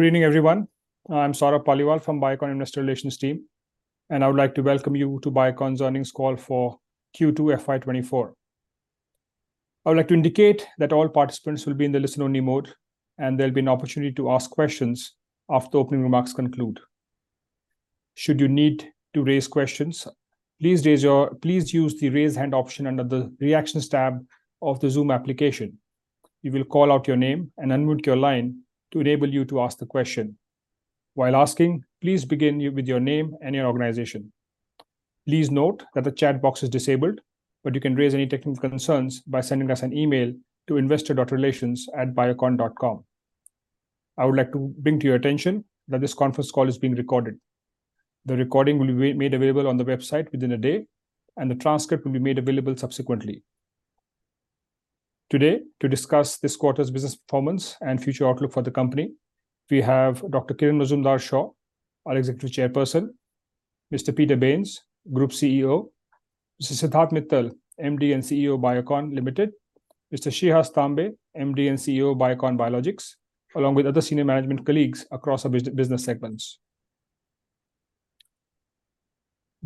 Good evening, everyone. I'm Saurabh Paliwal from Biocon Investor Relations team, and I would like to welcome you to Biocon's Earnings Call for Q2 FY 2024. I would like to indicate that all participants will be in the listen-only mode, and there'll be an opportunity to ask questions after opening remarks conclude. Should you need to raise questions, please use the Raise Hand option under the Reactions tab of the Zoom application. We will call out your name and unmute your line to enable you to ask the question. While asking, please begin with your name and your organization. Please note that the chat box is disabled, but you can raise any technical concerns by sending us an email to investor.relations@biocon.com. I would like to bring to your attention that this conference call is being recorded. The recording will be made, made available on the website within a day, and the transcript will be made available subsequently. Today, to discuss this quarter's business performance and future outlook for the company, we have Dr. Kiran Mazumdar-Shaw, our Executive Chairperson, Mr. Peter Bains, Group CEO, Mr. Siddharth Mittal, MD and CEO, Biocon Limited, Mr. Shreehas Tambe, MD and CEO, Biocon Biologics, along with other senior management colleagues across our business segments.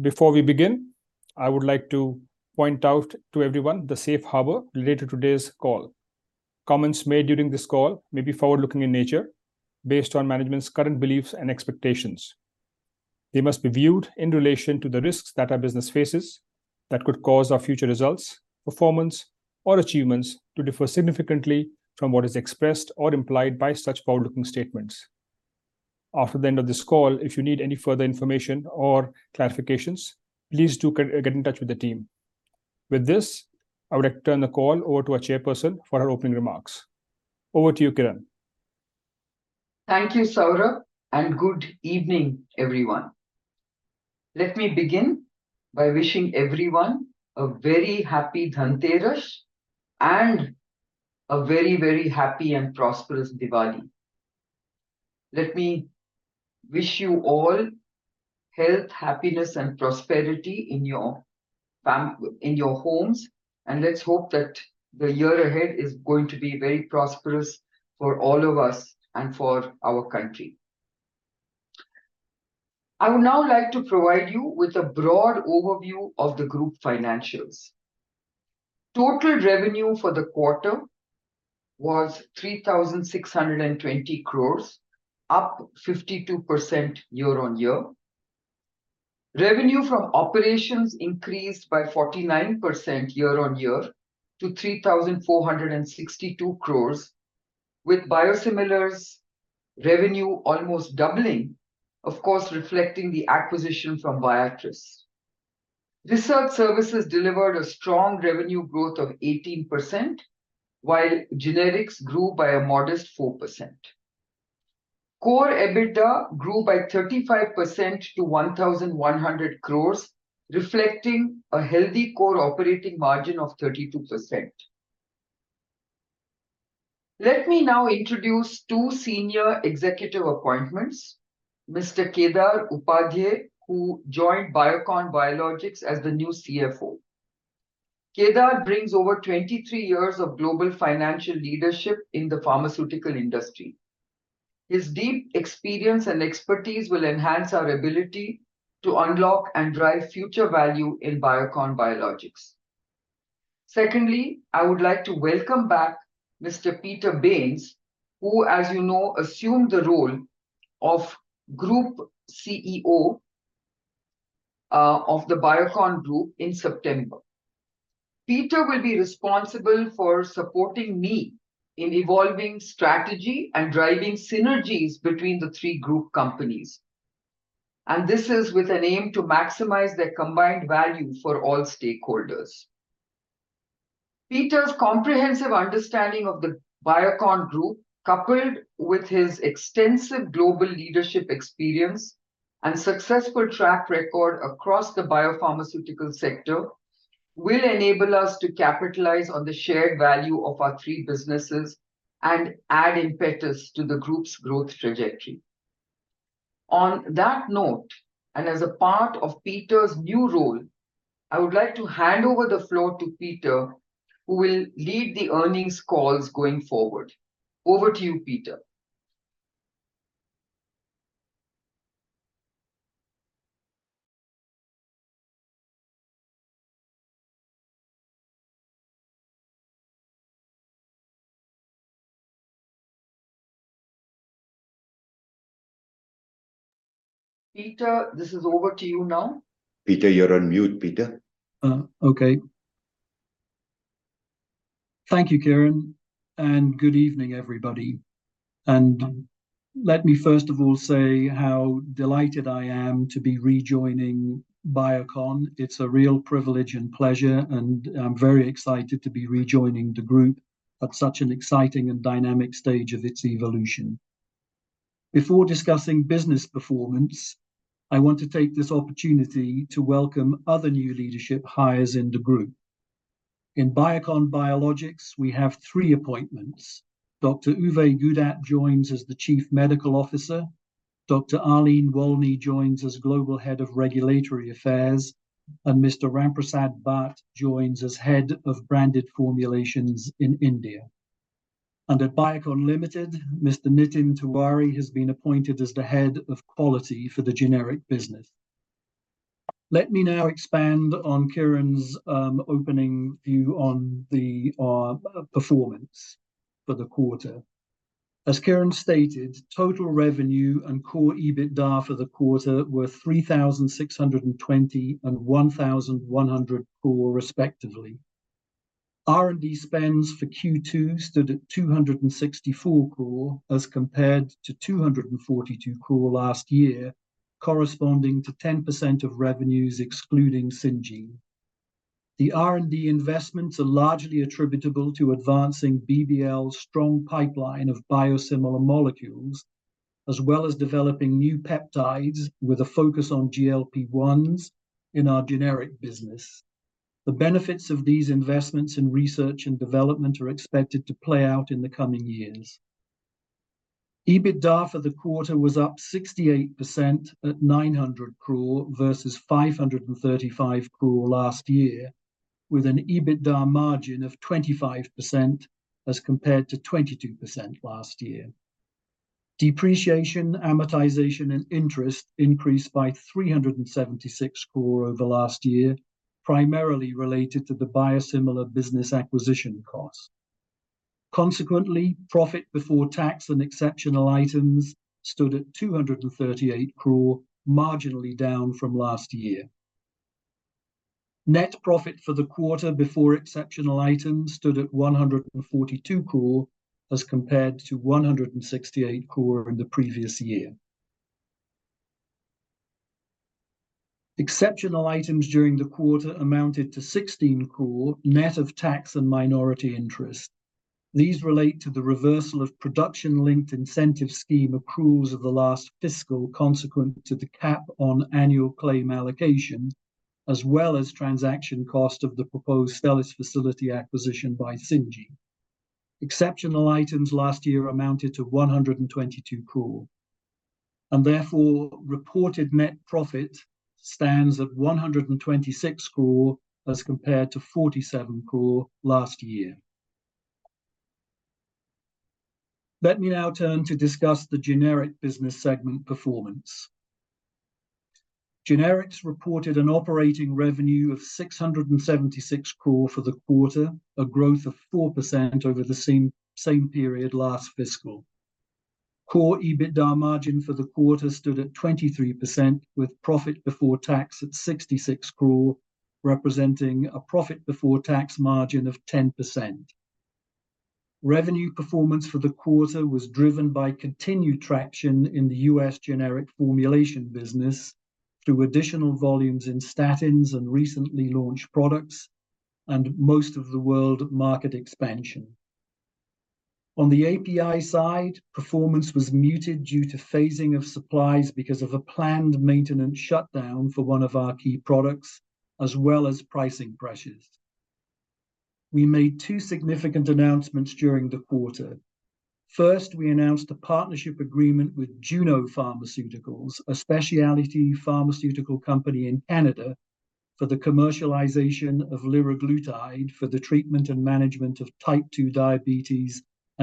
Before we begin, I would like to point out to everyone the safe harbor related to today's call. Comments made during this call may be forward-looking in nature, based on management's current beliefs and expectations. They must be viewed in relation to the risks that our business faces that could cause our future results, performance, or achievements to differ significantly from what is expressed or implied by such forward-looking statements. After the end of this call, if you need any further information or clarifications, please do get in touch with the team. With this, I would like to turn the call over to our Chairperson for her opening remarks. Over to you, Kiran. Thank you, Saurabh, and good evening, everyone. Let me begin by wishing everyone a very happy Dhanteras and a very, very happy and prosperous Diwali. Let me wish you all health, happiness, and prosperity in your homes, and let's hope that the year ahead is going to be very prosperous for all of us and for our country. I would now like to provide you with a broad overview of the group financials. Total revenue for the quarter was 3,620 crores, up 52% year-on-year. Revenue from operations increased by 49% year-on-year to 3,462 crores, with biosimilars revenue almost doubling, of course, reflecting the acquisition from Viatris. Research services delivered a strong revenue growth of 18%, while generics grew by a modest 4%. Core EBITDA grew by 35% to 1,100 crores, reflecting a healthy core operating margin of 32%. Let me now introduce two senior executive appointments. Mr. Kedar Upadhye, who joined Biocon Biologics as the new CFO. Kedar brings over 23 years of global financial leadership in the pharmaceutical industry. His deep experience and expertise will enhance our ability to unlock and drive future value in Biocon Biologics. Secondly, I would like to welcome back Mr. Peter Bains, who, as you know, assumed the role of Group CEO of the Biocon Group in September. Peter will be responsible for supporting me in evolving strategy and driving synergies between the three group companies, and this is with an aim to maximize their combined value for all stakeholders. Peter's comprehensive understanding of the Biocon Group, coupled with his extensive global leadership experience and successful track record across the biopharmaceutical sector, will enable us to capitalize on the shared value of our three businesses and add impetus to the group's growth trajectory. On that note, and as a part of Peter's new role, I would like to hand over the floor to Peter, who will lead the earnings calls going forward. Over to you, Peter. Peter, this is over to you now. Peter, you're on mute, Peter. Okay. Thank you, Kiran, and good evening, everybody. Let me first of all say how delighted I am to be rejoining Biocon. It's a real privilege and pleasure, and I'm very excited to be rejoining the group at such an exciting and dynamic stage of its evolution. Before discussing business performance, I want to take this opportunity to welcome other new leadership hires in the group. In Biocon Biologics, we have three appointments. Dr. Uwe Gudat joins as the Chief Medical Officer. Dr. Arlene Wolny joins as Global Head of Regulatory Affairs, and Mr. Ramprasad Bhat joins as Head of Branded Formulations in India. At Biocon Limited, Mr. Nitin Tiwari has been appointed as the Head of Quality for the generic business. Let me now expand on Kiran's opening view on the performance for the quarter. As Kiran stated, total revenue and core EBITDA for the quarter were 3,620 crore and 1,100 crore respectively. R&D spends for Q2 stood at 264 crore as compared to 242 crore last year, corresponding to 10% of revenues excluding Syngene. The R&D investments are largely attributable to advancing BBL's strong pipeline of biosimilar molecules, as well as developing new peptides with a focus on GLP-1s in our generic business. The benefits of these investments in research and development are expected to play out in the coming years. EBITDA for the quarter was up 68% at 900 crore versus 535 crore last year, with an EBITDA margin of 25% as compared to 22% last year. Depreciation, amortization, and interest increased by 376 crore over last year, primarily related to the biosimilar business acquisition costs. Consequently, profit before tax and exceptional items stood at 238 crore, marginally down from last year. Net profit for the quarter before exceptional items stood at 142 crore as compared to 168 crore in the previous year. Exceptional items during the quarter amounted to 16 crore, net of tax and minority interest. These relate to the reversal of Production Linked Incentive Scheme accruals of the last fiscal, consequent to the cap on annual claim allocations, as well as transaction cost of the proposed Stelis facility acquisition by Syngene. Exceptional items last year amounted to 122 crore, and therefore, reported net profit stands at 126 crore as compared to 47 crore last year. Let me now turn to discuss the generic business segment performance. Generics reported an operating revenue of 676 crore for the quarter, a growth of 4% over the same period last fiscal. Core EBITDA margin for the quarter stood at 23%, with profit before tax at 66 crore, representing a profit before tax margin of 10%. Revenue performance for the quarter was driven by continued traction in the U.S. generic formulation business, through additional volumes in statins and recently launched products, and most of the world market expansion. On the API side, performance was muted due to phasing of supplies because of a planned maintenance shutdown for one of our key products, as well as pricing pressures. We made two significant announcements during the quarter. First, we announced a partnership agreement with Juno Pharmaceuticals, a specialty pharmaceutical company in Canada, for the commercialization of liraglutide for the treatment and management of type 2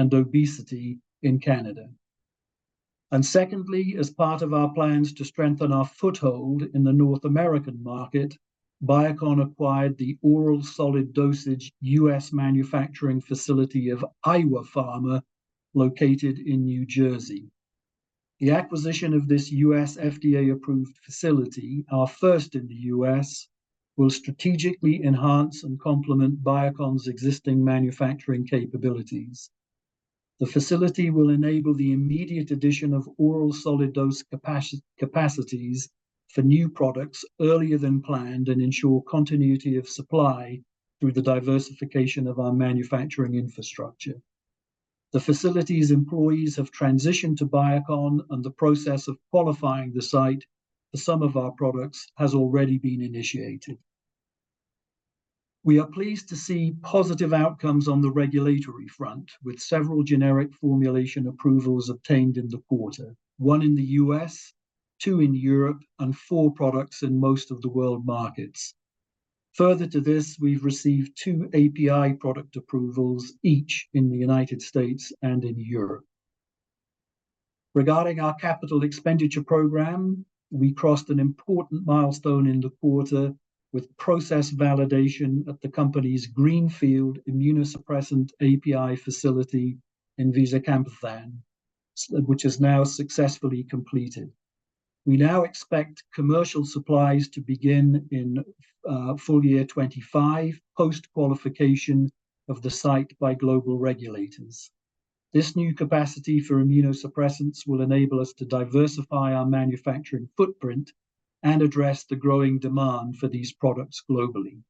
diabetes and obesity in Canada. Secondly, as part of our plans to strengthen our foothold in the North American market, Biocon acquired the oral solid dosage U.S. manufacturing facility of Eywa Pharma, located in New Jersey. The acquisition of this U.S. FDA-approved facility, our first in the U.S., will strategically enhance and complement Biocon's existing manufacturing capabilities. The facility will enable the immediate addition of oral solid dose capacities for new products earlier than planned and ensure continuity of supply through the diversification of our manufacturing infrastructure. The facility's employees have transitioned to Biocon, and the process of qualifying the site for some of our products has already been initiated. We are pleased to see positive outcomes on the regulatory front, with several generic formulation approvals obtained in the quarter: one in the U.S., two in Europe, and four products in most of the world markets. Further to this, we've received two API product approvals, each in the United States and in Europe. Regarding our capital expenditure program, we crossed an important milestone in the quarter with process validation at the company's greenfield immunosuppressant API facility in Visakhapatnam, which is now successfully completed. We now expect commercial supplies to begin in full year 2025, post-qualification of the site by global regulators. This new capacity for immunosuppressants will enable us to diversify our manufacturing footprint and address the growing demand for these products globally.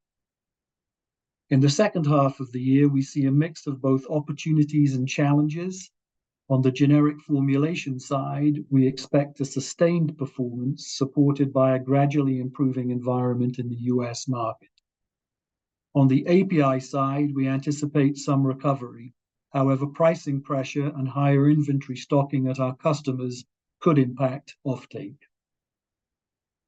In the second half of the year, we see a mix of both opportunities and challenges. On the generic formulation side, we expect a sustained performance supported by a gradually improving environment in the U.S. market. On the API side, we anticipate some recovery. However, pricing pressure and higher inventory stocking at our customers could impact offtake.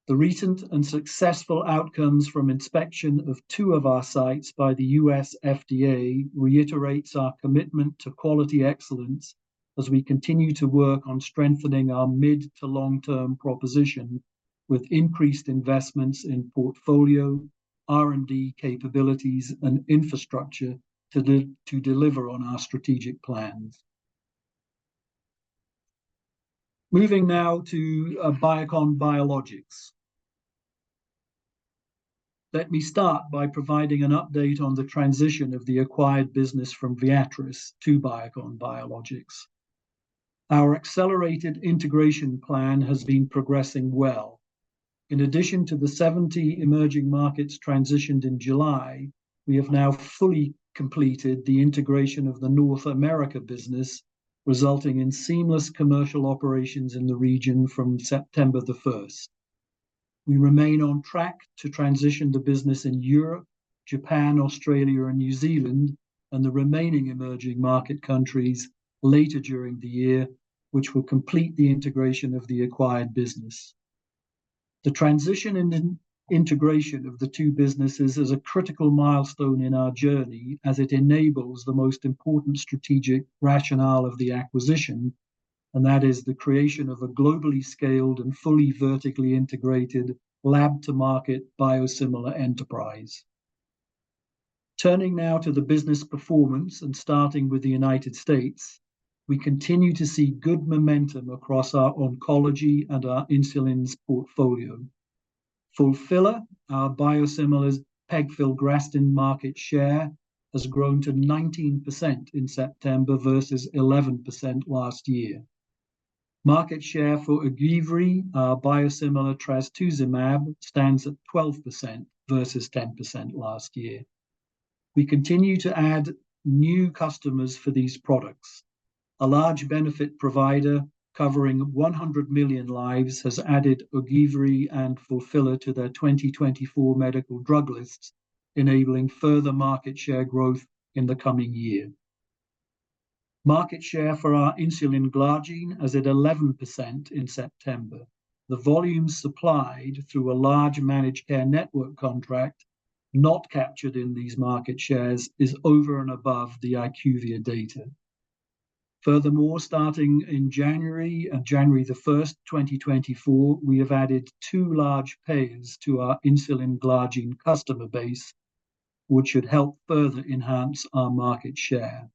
The recent and successful outcomes from inspection of two of our sites by the U.S. FDA reiterates our commitment to quality excellence as we continue to work on strengthening our mid- to long-term proposition with increased investments in portfolio, R&D capabilities, and infrastructure to deliver on our strategic plans. Moving now to Biocon Biologics. Let me start by providing an update on the transition of the acquired business from Viatris to Biocon Biologics. Our accelerated integration plan has been progressing well. In addition to the 70 emerging markets transitioned in July, we have now fully completed the integration of the North America business, resulting in seamless commercial operations in the region from September 1st. We remain on track to transition the business in Europe, Japan, Australia, and New Zealand, and the remaining emerging market countries later during the year, which will complete the integration of the acquired business. The transition and integration of the two businesses is a critical milestone in our journey, as it enables the most important strategic rationale of the acquisition, and that is the creation of a globally scaled and fully vertically integrated lab-to-market biosimilar enterprise. Turning now to the business performance, and starting with the United States, we continue to see good momentum across our oncology and our insulins portfolio. Fulphila, our biosimilar pegfilgrastim market share, has grown to 19% in September versus 11% last year. Market share for Ogivri, our biosimilar trastuzumab, stands at 12% versus 10% last year. We continue to add new customers for these products. A large benefit provider, covering 100 million lives, has added Ogivri and Fulphila to their 2024 medical drug lists, enabling further market share growth in the coming year. Market share for our insulin glargine is at 11% in September. The volume supplied through a large managed care network contract, not captured in these market shares, is over and above the IQVIA data. Furthermore, starting in January 1, 2024, we have added 2 large payers to our insulin glargine customer base, which should help further enhance our market share.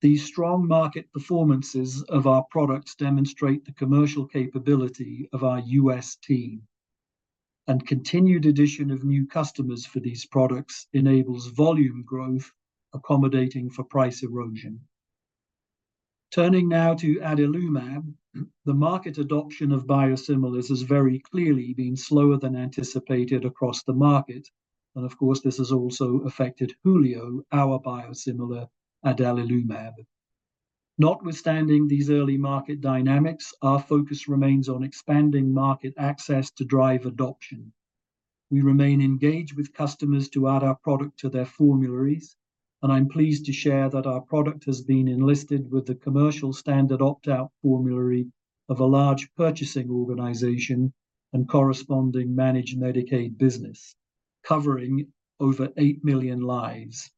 These strong market performances of our products demonstrate the commercial capability of our U.S. team, and continued addition of new customers for these products enables volume growth, accommodating for price erosion. Turning now to adalimumab, the market adoption of biosimilars has very clearly been slower than anticipated across the market, and of course, this has also affected Hulio, our biosimilar adalimumab. Notwithstanding these early market dynamics, our focus remains on expanding market access to drive adoption. We remain engaged with customers to add our product to their formularies, and I'm pleased to share that our product has been enlisted with the commercial standard opt-out formulary of a large purchasing organization and corresponding managed Medicaid business, covering over 8 million lives.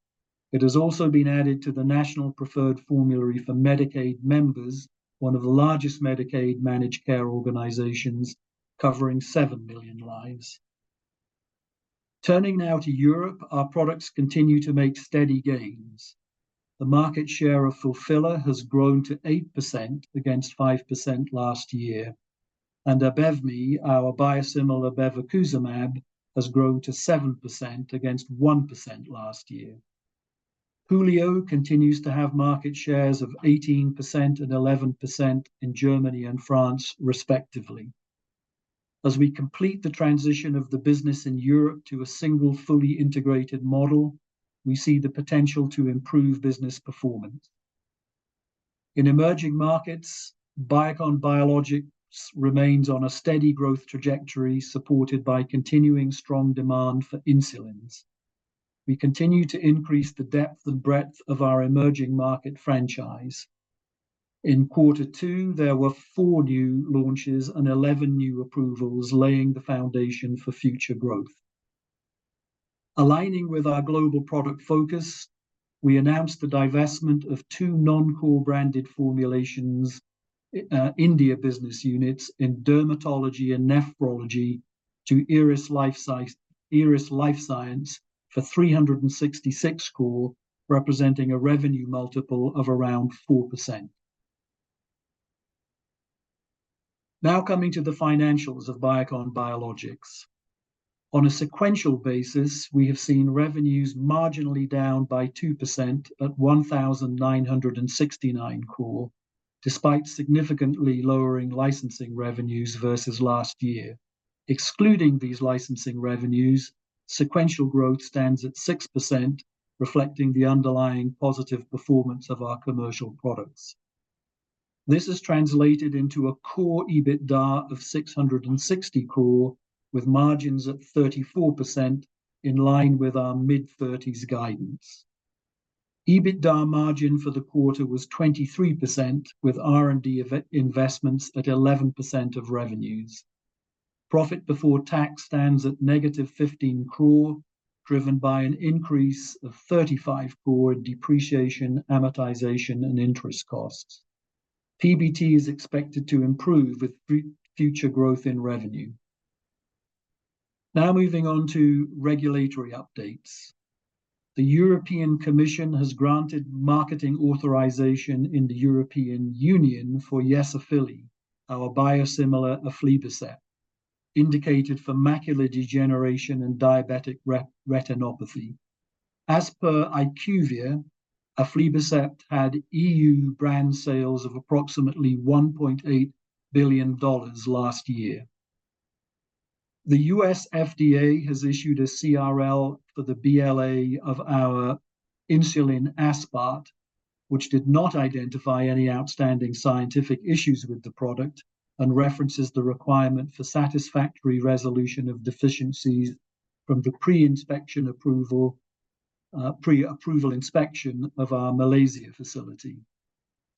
It has also been added to the National Preferred Formulary for Medicaid members, one of the largest Medicaid managed care organizations, covering 7 million lives. Turning now to Europe, our products continue to make steady gains. The market share of Fulphila has grown to 8% against 5% last year, and Abevmy, our biosimilar bevacizumab, has grown to 7% against 1% last year. Hulio continues to have market shares of 18% and 11% in Germany and France, respectively. As we complete the transition of the business in Europe to a single fully integrated model, we see the potential to improve business performance. In emerging markets, Biocon Biologics remains on a steady growth trajectory, supported by continuing strong demand for insulins. We continue to increase the depth and breadth of our emerging market franchise. In quarter two, there were 4 new launches and 11 new approvals, laying the foundation for future growth. Aligning with our global product focus, we announced the divestment of two non-core branded formulations, India business units in dermatology and nephrology to Eris Life Sciences for 366 crore, representing a revenue multiple of around 4%. Now coming to the financials of Biocon Biologics. On a sequential basis, we have seen revenues marginally down by 2% at 1,969 crore, despite significantly lowering licensing revenues versus last year. Excluding these licensing revenues, sequential growth stands at 6%, reflecting the underlying positive performance of our commercial products. This has translated into a core EBITDA of 660 crore, with margins at 34%, in line with our mid-thirties guidance. EBITDA margin for the quarter was 23%, with R&D investments at 11% of revenues. Profit before tax stands at negative 15 crore, driven by an increase of 35 crore depreciation, amortization, and interest costs. PBT is expected to improve with future growth in revenue. Now moving on to regulatory updates. The European Commission has granted marketing authorization in the European Union for Yesafili, our biosimilar aflibercept, indicated for macular degeneration and diabetic retinopathy. As per IQVIA, aflibercept had E.U. brand sales of approximately $1.8 billion last year. The U.S. FDA has issued a CRL for the BLA of our insulin aspart, which did not identify any outstanding scientific issues with the product and references the requirement for satisfactory resolution of deficiencies from the pre-approval inspection of our Malaysia facility.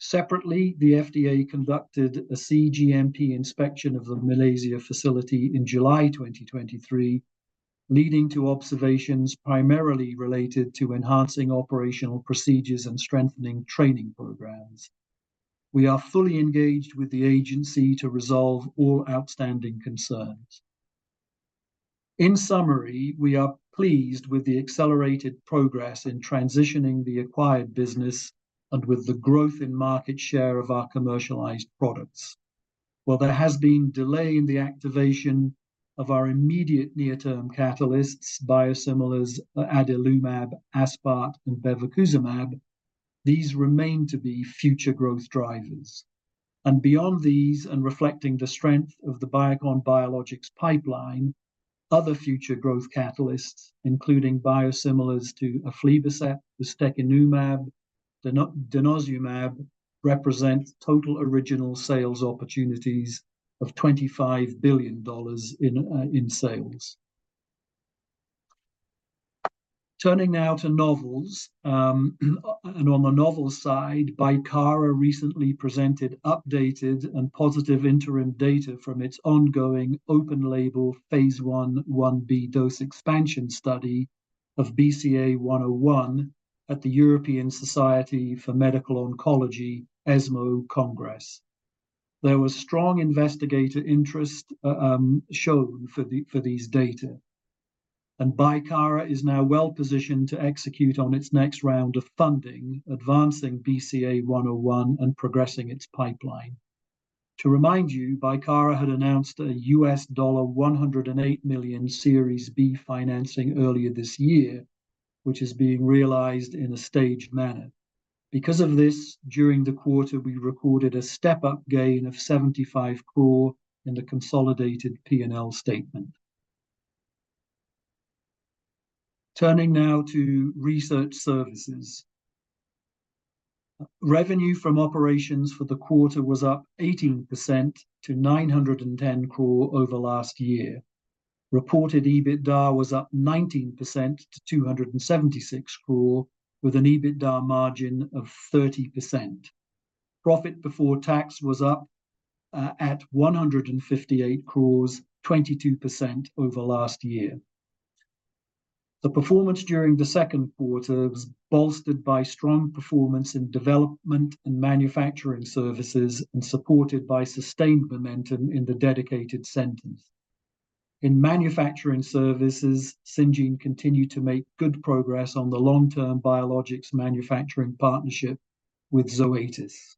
Separately, the FDA conducted a cGMP inspection of the Malaysia facility in July 2023, leading to observations primarily related to enhancing operational procedures and strengthening training programs. We are fully engaged with the agency to resolve all outstanding concerns. In summary, we are pleased with the accelerated progress in transitioning the acquired business and with the growth in market share of our commercialized products. While there has been delay in the activation of our immediate near-term catalysts, biosimilars adalimumab, aspart, and bevacizumab, these remain to be future growth drivers. And beyond these, and reflecting the strength of the Biocon Biologics pipeline, other future growth catalysts, including biosimilars to aflibercept, ustekinumab, denosumab, represent total original sales opportunities of $25 billion in sales. Turning now to novels. And on the novel side, Bicara recently presented updated and positive interim data from its ongoing open label Phase I, 1B dose expansion study of BCA101 at the European Society for Medical Oncology, ESMO Congress. There was strong investigator interest shown for these data, and Bicara is now well-positioned to execute on its next round of funding, advancing BCA101 and progressing its pipeline. To remind you, Bicara had announced a $108 million Series B financing earlier this year, which is being realized in a staged manner. Because of this, during the quarter, we recorded a step-up gain of 75 crore in the consolidated P&L statement. Turning now to research services. Revenue from operations for the quarter was up 18% to 910 crore over last year. Reported EBITDA was up 19% to 276 crore, with an EBITDA margin of 30%. Profit before tax was up at 158 crore, 22% over last year. The performance during the second quarter was bolstered by strong performance in development and manufacturing services and supported by sustained momentum in the dedicated centers. In manufacturing services, Syngene continued to make good progress on the long-term biologics manufacturing partnership with Zoetis.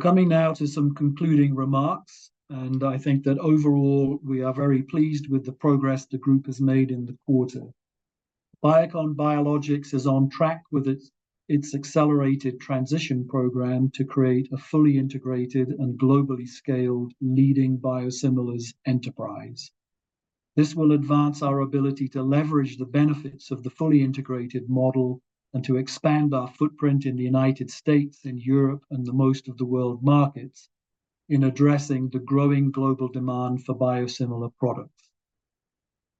Coming now to some concluding remarks, and I think that overall, we are very pleased with the progress the group has made in the quarter. Biocon Biologics is on track with its, its accelerated transition program to create a fully integrated and globally scaled leading biosimilars enterprise. This will advance our ability to leverage the benefits of the fully integrated model and to expand our footprint in the United States and Europe, and the most of the world markets, in addressing the growing global demand for biosimilar products.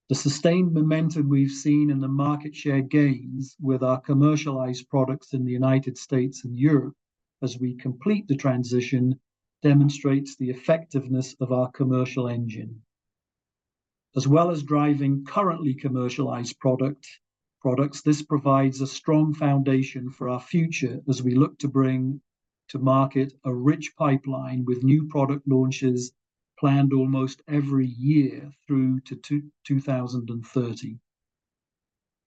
The sustained momentum we've seen in the market share gains with our commercialized products in the United States and Europe as we complete the transition, demonstrates the effectiveness of our commercial engine. As well as driving currently commercialized product, products, this provides a strong foundation for our future as we look to bring to market a rich pipeline with new product launches planned almost every year through to 2030.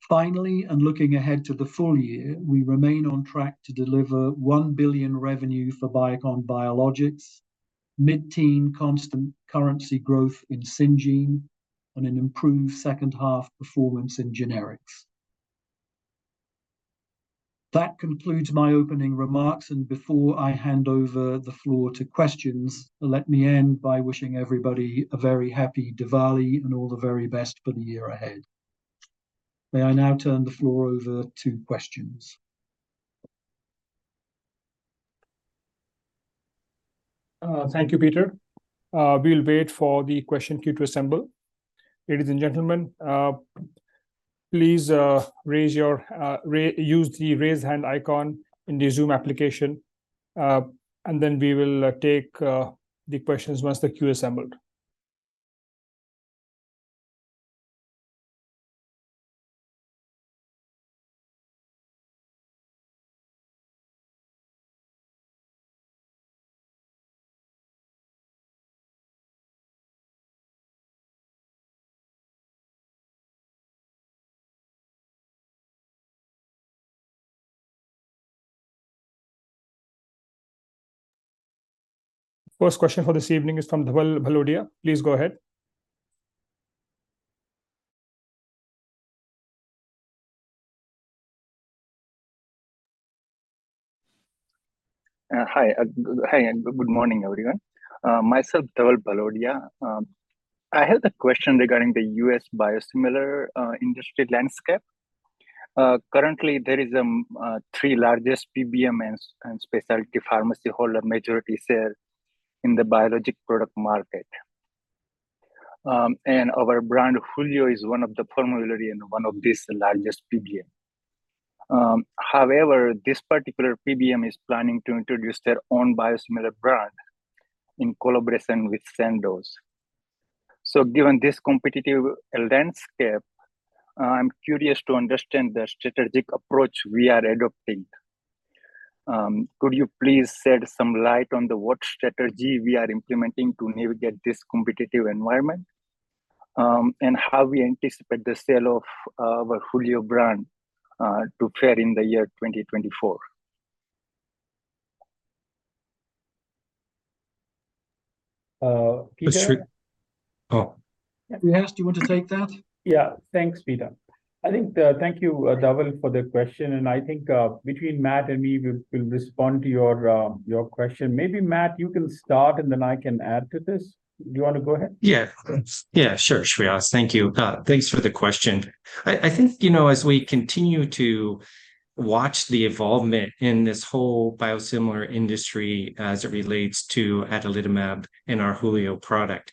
Finally, and looking ahead to the full year, we remain on track to deliver 1 billion revenue for Biocon Biologics, mid-teen constant currency growth in Syngene, and an improved second half performance in generics. That concludes my opening remarks, and before I hand over the floor to questions, let me end by wishing everybody a very happy Diwali and all the very best for the year ahead... May I now turn the floor over to questions? Thank you, Peter. We'll wait for the question queue to assemble. Ladies and gentlemen, please use the raise hand icon in the Zoom application, and then we will take the questions once the queue assembled. First question for this evening is from Dhaval Bhalodia. Please go ahead. Good morning, everyone. Myself, Dhaval Bhalodia. I had a question regarding the U.S. biosimilar industry landscape. Currently, there is three largest PBM and specialty pharmacy holder majority share in the biologic product market. And our brand, Hulio, is one of the formulary in one of these largest PBM. However, this particular PBM is planning to introduce their own biosimilar brand in collaboration with Sandoz. So given this competitive landscape, I'm curious to understand the strategic approach we are adopting. Could you please shed some light on the what strategy we are implementing to navigate this competitive environment, and how we anticipate the sale of our Hulio brand to fare in the year 2024? Uh, Shrehaas- Sh- Oh. Shreehas, do you want to take that? Yeah. Thanks, Peter. I think, thank you, Dhaval, for the question, and I think, between Matt and me, we'll respond to your question. Maybe, Matt, you can start, and then I can add to this. Do you want to go ahead? Yeah. Yeah, sure, Shreehas. Thank you. Thanks for the question. I think, you know, as we continue to watch the evolvement in this whole biosimilar industry as it relates to adalimumab and our Hulio product,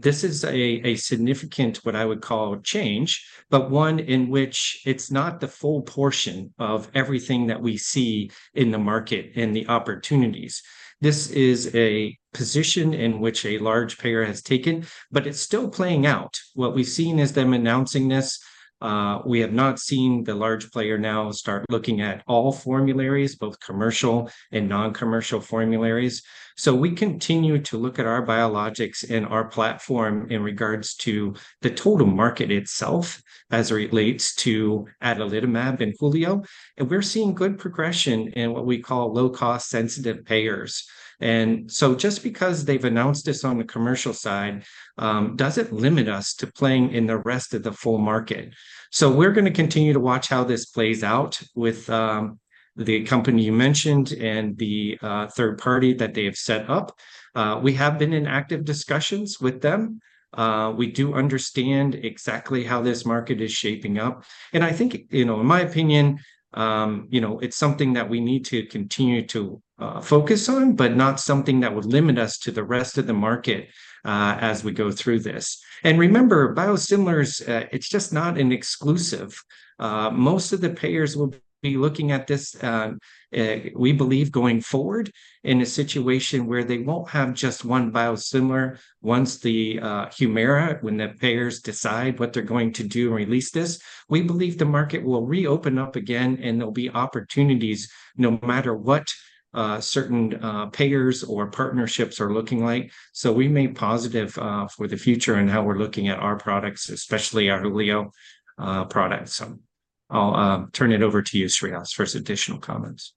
this is a significant, what I would call, change, but one in which it's not the full portion of everything that we see in the market and the opportunities. This is a position in which a large payer has taken, but it's still playing out. What we've seen is them announcing this. We have not seen the large player now start looking at all formularies, both commercial and non-commercial formularies. So we continue to look at our biologics and our platform in regards to the total market itself as it relates to adalimumab and Hulio, and we're seeing good progression in what we call low-cost sensitive payers. Just because they've announced this on the commercial side, doesn't limit us to playing in the rest of the full market. So we're gonna continue to watch how this plays out with the company you mentioned and the third party that they have set up. We have been in active discussions with them. We do understand exactly how this market is shaping up, and I think, you know, in my opinion, you know, it's something that we need to continue to focus on, but not something that would limit us to the rest of the market, as we go through this. And remember, biosimilars, it's just not an exclusive. Most of the payers will be looking at this, we believe, going forward in a situation where they won't have just one biosimilar. Once the Humira, when the payers decide what they're going to do and release this, we believe the market will reopen up again, and there'll be opportunities no matter what certain payers or partnerships are looking like. So we remain positive for the future and how we're looking at our products, especially our Hulio product. So I'll turn it over to you, Shreehas, for some additional comments.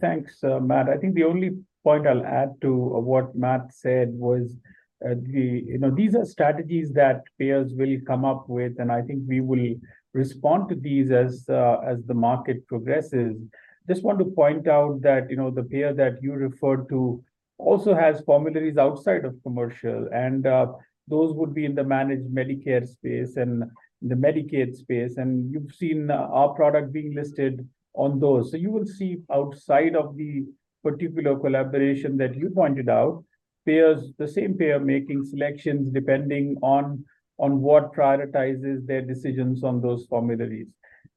Thanks, Matt. I think the only point I'll add to what Matt said was, You know, these are strategies that payers will come up with, and I think we will respond to these as, as the market progresses. Just want to point out that, you know, the payer that you referred to also has formularies outside of commercial, and, those would be in the managed Medicare space and the Medicaid space, and you've seen, our product being listed on those. So you will see outside of the particular collaboration that you pointed out, payers, the same payer making selections depending on, on what prioritizes their decisions on those formularies.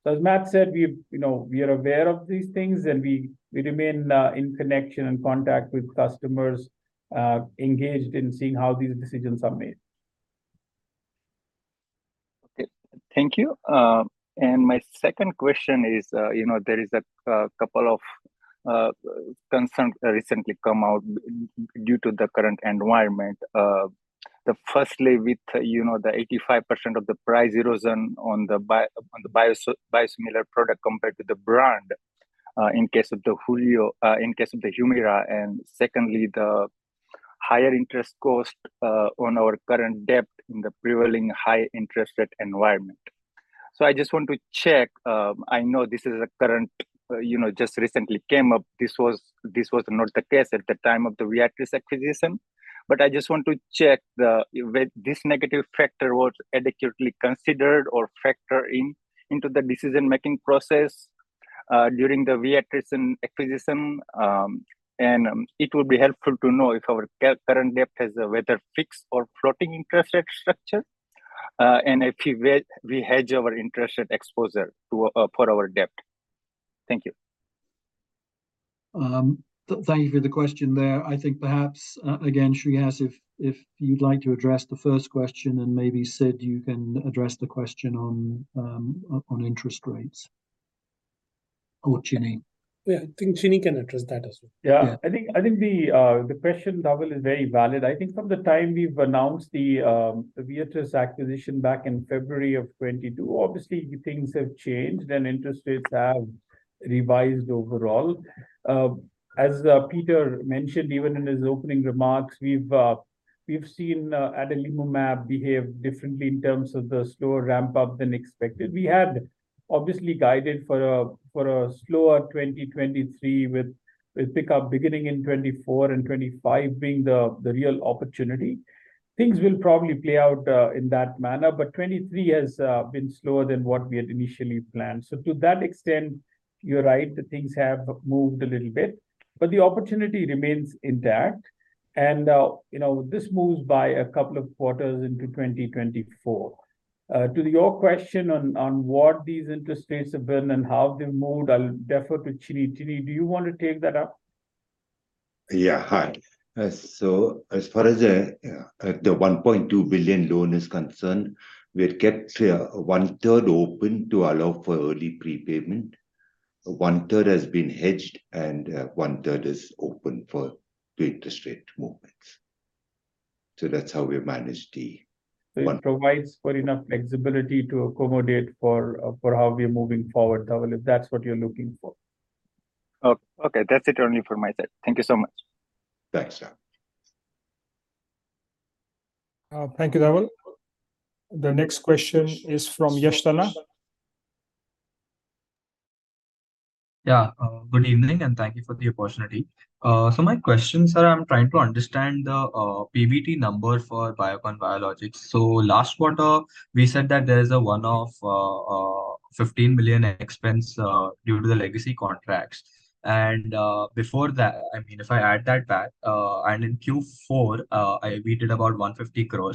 So as Matt said, we've, you know, we are aware of these things, and we, we remain, in connection and contact with customers, engaged in seeing how these decisions are made. Okay. Thank you, and my second question is, you know, there is a couple of concerns recently come out due to the current environment. Firstly, with, you know, the 85% of the price erosion on the biosimilar product compared to the brand, in case of the Hulio, in case of the Humira, and secondly, the higher interest cost on our current debt in the prevailing high interest rate environment. So I just want to check, I know this is a current, you know, just recently came up. This was not the case at the time of the Viatris acquisition. But I just want to check whether this negative factor was adequately considered or factored in into the decision-making process? During the Viatris acquisition, it will be helpful to know if our current debt has a, whether fixed or floating, interest rate structure, and if we hedge our interest rate exposure for our debt. Thank you. Thank you for the question there. I think perhaps, again, Shreehas, if you'd like to address the first question, and maybe Sid, you can address the question on interest rates. Or Chini. Yeah, I think Chini can address that as well. Yeah. I think, I think the, the question, Dhaval, is very valid. I think from the time we've announced the, the Viatris acquisition back in February of 2022, obviously things have changed and interest rates have revised overall. As, Peter mentioned, even in his opening remarks, we've, we've seen, adalimumab behave differently in terms of the slower ramp-up than expected. We had obviously guided for a, for a slower 2023, with, with pick-up beginning in 2024 and 2025 being the, the real opportunity. Things will probably play out, in that manner, but 2023 has, been slower than what we had initially planned. So to that extent, you're right, things have moved a little bit, but the opportunity remains intact. And, you know, this moves by a couple of quarters into 2024. To your question on what these interest rates have been and how they've moved, I'll defer to Chini. Chini, do you want to take that up? Yeah. Hi, so as far as the the 1.2 billion loan is concerned, we've kept, one third open to allow for early prepayment, one third has been hedged, and, one third is open for the interest rate movements. So that's how we manage the one- It provides for enough flexibility to accommodate for, for how we're moving forward, Dhaval, if that's what you're looking for. Okay, that's it only from my side. Thank you so much. Thanks, Dhaval. Thank you, Dhaval. The next question is from Yash Tanna. Yeah, good evening, and thank you for the opportunity. So my question, sir, I'm trying to understand the PBT number for Biocon Biologics. So last quarter, we said that there is a one-off $15 million expense due to the legacy contracts. And before that... I mean, if I add that back, and in Q4, I read about 150 crore.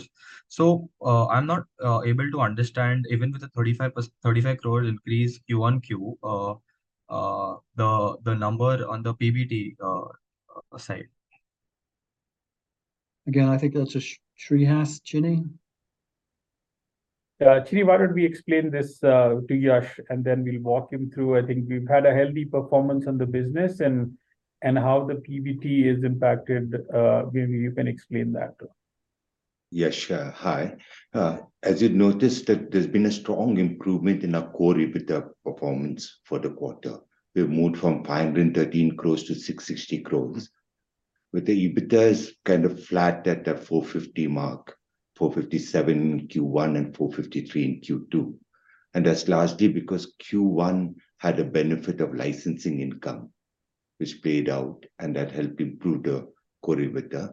So I'm not able to understand, even with the 35%-35 crore increase Q1Q, the number on the PBT side. Again, I think that's Shreehas, Chini? Chini, why don't we explain this to Yash, and then we'll walk him through? I think we've had a healthy performance on the business and how the PBT is impacted. Maybe you can explain that too. Yash, hi. As you've noticed that there's been a strong improvement in our core EBITDA performance for the quarter. We've moved from 513 crores to 660 crores, but the EBITDA is kind of flat at the 450 mark, 457 in Q1 and 453 in Q2, and that's largely because Q1 had the benefit of licensing income, which played out, and that helped improve the core EBITDA.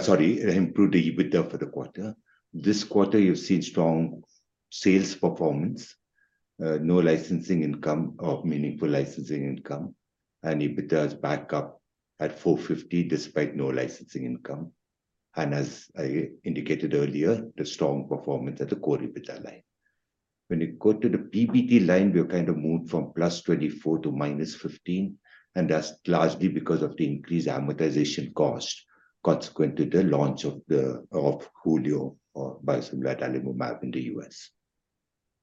Sorry, improved the EBITDA for the quarter. This quarter, you've seen strong sales performance, no licensing income, or meaningful licensing income, and EBITDA is back up at 450 despite no licensing income, and as I indicated earlier, the strong performance at the core EBITDA line. When you go to the PBT line, we've kind of moved from +24 to -15, and that's largely because of the increased amortization cost consequent to the launch of Hulio, or biosimilar adalimumab, in the U.S.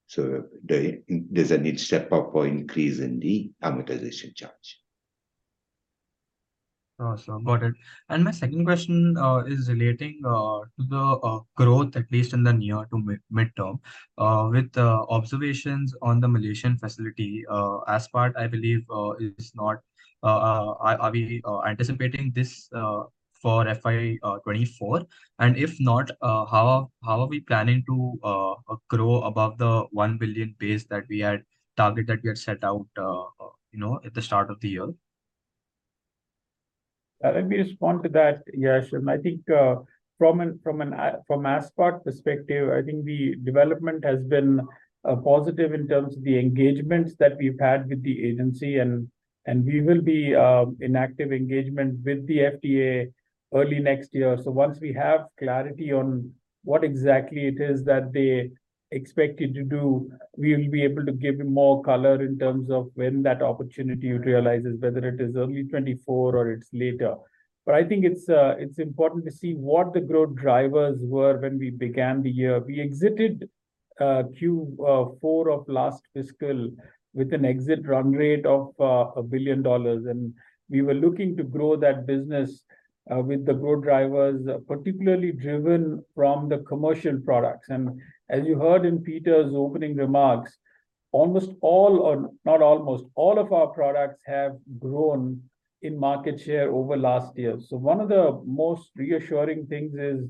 So there, there's a net step-up or increase in the amortization charge. So got it. And my second question is relating to the growth, at least in the near- to midterm, with the observations on the Malaysian facility. As part, I believe, is not... Are we anticipating this for FY 2024? And if not, how are we planning to grow above the 1 billion base that we had targeted, we had set out, you know, at the start of the year? Let me respond to that, Yash. I think from an aspart perspective, I think the development has been positive in terms of the engagements that we've had with the agency, and we will be in active engagement with the FDA early next year. So once we have clarity on what exactly it is that they expect you to do, we'll be able to give you more color in terms of when that opportunity realizes, whether it is early 2024 or it's later. But I think it's important to see what the growth drivers were when we began the year. We exited Q four of last fiscal with an exit run rate of $1 billion, and we were looking to grow that business with the growth drivers, particularly driven from the commercial products. As you heard in Peter's opening remarks, almost all, or not almost, all of our products have grown in market share over last year. One of the most reassuring things is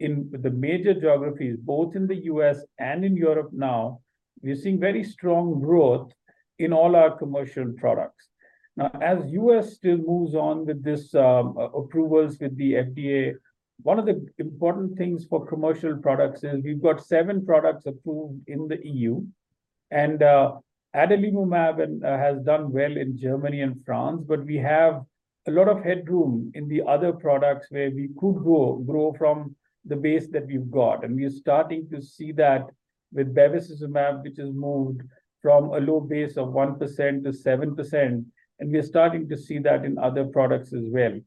in the major geographies, both in the U.S. and in Europe now, we're seeing very strong growth in all our commercial products. Now, as U.S. still moves on with this, approvals with the FDA, one of the important things for commercial products is we've got seven products approved in the E.U. adalimumab and has done well in Germany and France, but we have a lot of headroom in the other products where we could go grow from the base that we've got. We are starting to see that with bevacizumab, which has moved from a low base of 1%-7%, and we are starting to see that in other products as well.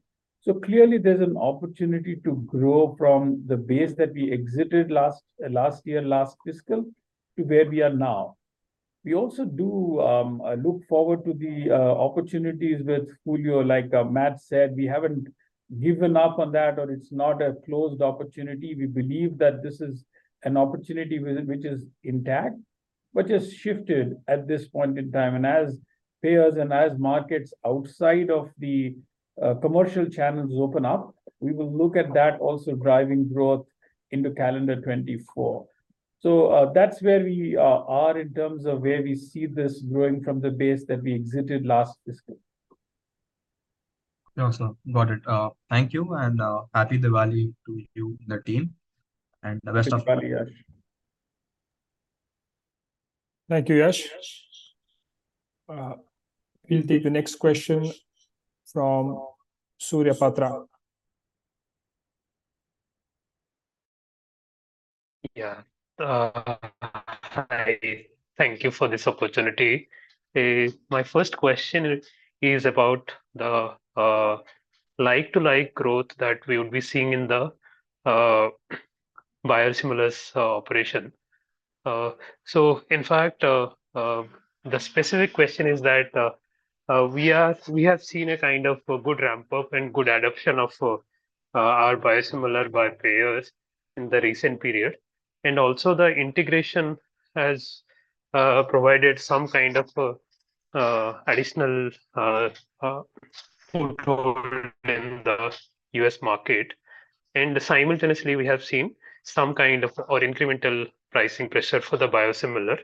So clearly there's an opportunity to grow from the base that we exited last year, last fiscal to where we are now. We also do look forward to the opportunities with Hulio. Like Matt said, we haven't given up on that, or it's not a closed opportunity. We believe that this is an opportunity which is intact, but just shifted at this point in time. And as payers and as markets outside of the commercial channels open up, we will look at that also driving growth into calendar 2024. That's where we are in terms of where we see this growing from the base that we exited last fiscal. Yeah, sir. Got it. Thank you, and happy Diwali to you and the team, and the rest of- Happy Diwali, Yash. Thank you, Yash. We'll take the next question from Surya Patra. Yeah. Hi, thank you for this opportunity. My first question is about the like-to-like growth that we would be seeing in the biosimilars operation. So in fact, the specific question is that we have seen a kind of a good ramp-up and good adoption of our biosimilar by payers in the recent period, and also the integration has provided some kind of additional control in the U.S. market. And simultaneously, we have seen some kind of or incremental pricing pressure for the biosimilar.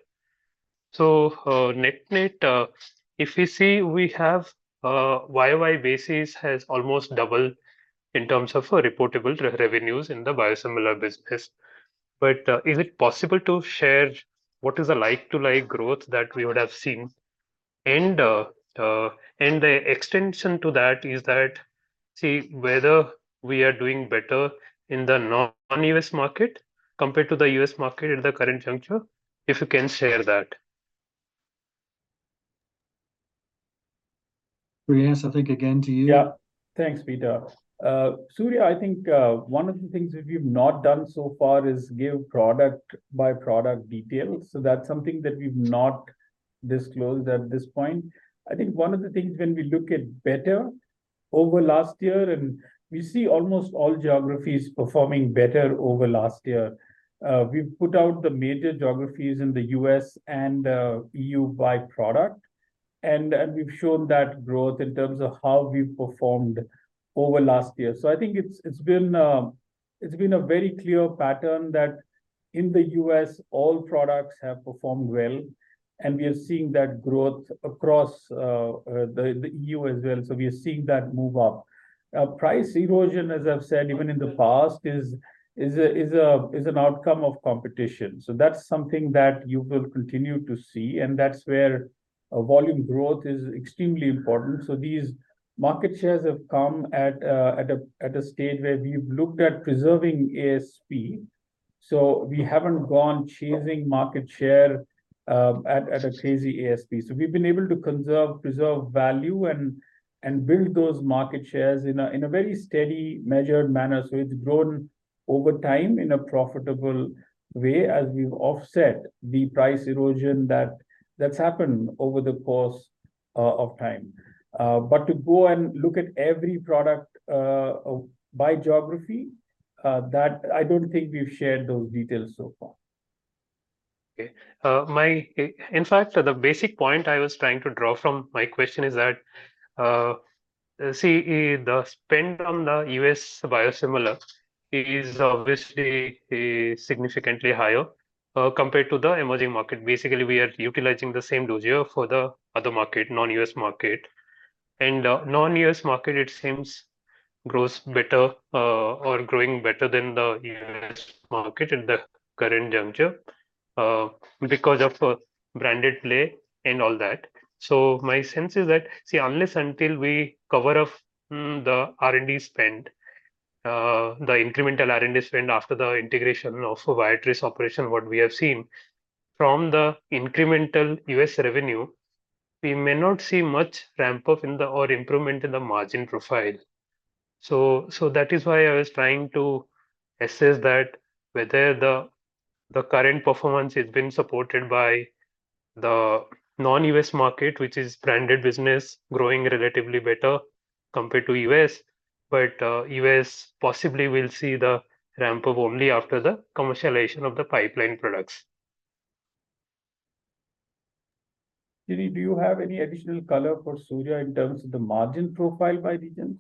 So, net-net, if you see, we have Y-over-Y basis has almost doubled in terms of reportable revenues in the biosimilar business. But is it possible to share what is the like-to-like growth that we would have seen? The extension to that is that, see, whether we are doing better in the non-U.S. market compared to the U.S. market at the current juncture, if you can share that. Shreehas, I think again to you. Yeah. Thanks, Peter. Surya, I think one of the things we've not done so far is give product-by-product details, so that's something that we've not disclosed at this point. I think one of the things when we look at better over last year, and we see almost all geographies performing better over last year, we've put out the major geographies in the U.S. and E.U. by product, and we've shown that growth in terms of how we've performed over last year. So I think it's been a very clear pattern that in the U.S., all products have performed well, and we are seeing that growth across the E.U. as well. So we are seeing that move up. Price erosion, as I've said, even in the past, is an outcome of competition. So that's something that you will continue to see, and that's where volume growth is extremely important. So these market shares have come at a stage where we've looked at preserving ASP, so we haven't gone chasing market share at a crazy ASP. So we've been able to conserve, preserve value and build those market shares in a very steady, measured manner. So it's grown over time in a profitable way as we've offset the price erosion that's happened over the course of time. But to go and look at every product by geography, that I don't think we've shared those details so far. Okay. In fact, the basic point I was trying to draw from my question is that, see, the spend on the U.S. biosimilar is obviously significantly higher compared to the emerging market. Basically, we are utilizing the same dossier for the other market, non-U.S. market. And the non-U.S. market, it seems, grows better or growing better than the U.S. market at the current juncture because of branded play and all that. So my sense is that, see, unless until we cover off the R&D spend, the incremental R&D spend after the integration of Viatris operation, what we have seen from the incremental U.S. revenue, we may not see much ramp-up in the margin or improvement in the margin profile. So, so that is why I was trying to assess that, whether the current performance has been supported by the non-U.S. market, which is branded business growing relatively better compared to U.S. But, U.S. possibly will see the ramp-up only after the commercialization of the pipeline products. Chini, do you have any additional color for Surya in terms of the margin profile by regions?...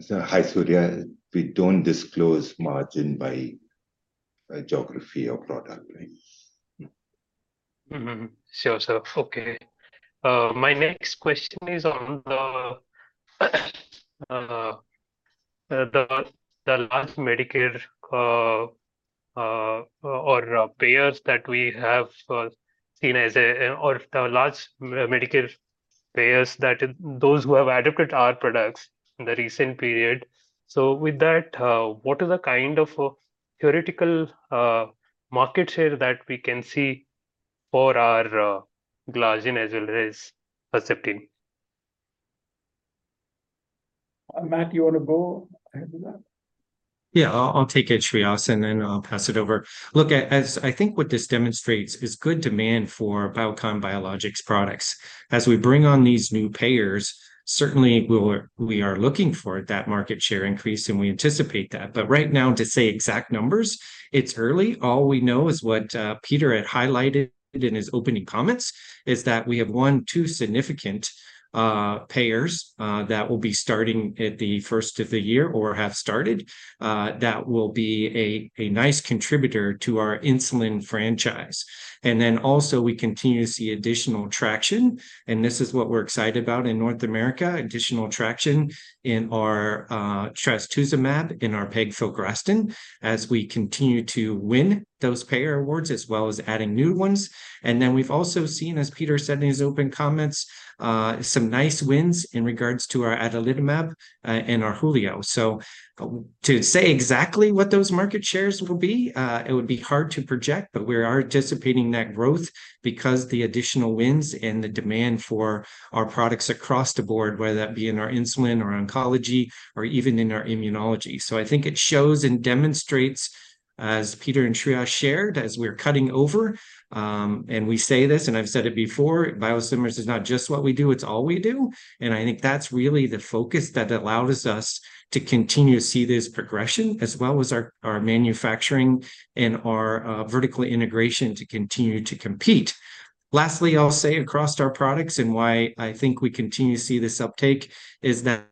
so hi, Surya. We don't disclose margin by geography or product, right? Mm-hmm. Sure, sir. Okay. My next question is on the large Medicare or payers that we have seen as a or the large Medicare payers that those who have adopted our products in the recent period. So with that, what is the kind of theoretical market share that we can see for our glargine as well as Herceptin? Matt, you wanna go ahead with that? Yeah, I'll take it, Shreehas, and then I'll pass it over. Look, as I think what this demonstrates is good demand for Biocon Biologics products. As we bring on these new payers, certainly we're looking for that market share increase, and we anticipate that. But right now to say exact numbers, it's early. All we know is what Peter had highlighted in his opening comments, is that we have won two significant payers that will be starting at the first of the year or have started. That will be a nice contributor to our insulin franchise. And then also we continue to see additional traction, and this is what we're excited about in North America, additional traction in our trastuzumab, in our pegfilgrastim, as we continue to win those payer awards, as well as adding new ones. And then we've also seen, as Peter said in his opening comments, some nice wins in regards to our adalimumab, and our Hulio. So, to say exactly what those market shares will be, it would be hard to project, but we are anticipating that growth because the additional wins and the demand for our products across the board, whether that be in our insulin, or oncology, or even in our immunology. So I think it shows and demonstrates, as Peter and Shreehas shared, as we're cutting over, and we say this, and I've said it before, biosimilars is not just what we do, it's all we do. And I think that's really the focus that allows us to continue to see this progression, as well as our, our manufacturing and our, vertical integration to continue to compete. Lastly, I'll say across our products, and why I think we continue to see this uptake, is that.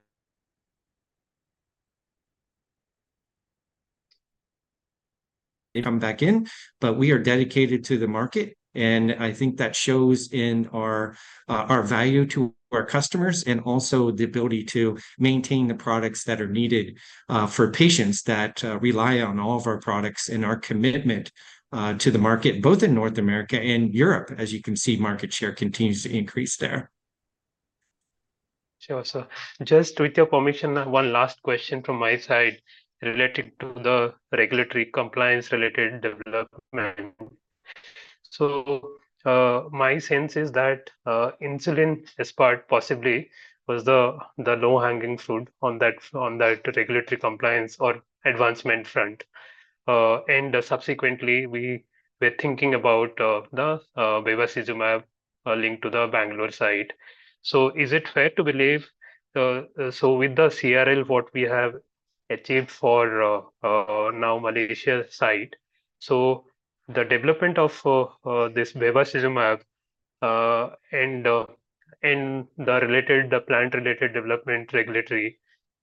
But we are dedicated to the market, and I think that shows in our, our value to our customers, and also the ability to maintain the products that are needed for patients that rely on all of our products, and our commitment to the market, both in North America and Europe. As you can see, market share continues to increase there. Sure, sir. Just with your permission, one last question from my side related to the regulatory compliance-related development. So, my sense is that, Insulin aspart, possibly, was the low-hanging fruit on that, on that regulatory compliance or advancement front. And subsequently, we were thinking about, the bevacizumab linked to the Bangalore site. So is it fair to believe, so with the CRL, what we have achieved for, now Malaysia site, so the development of, this bevacizumab, and the related, the plant-related development regulatory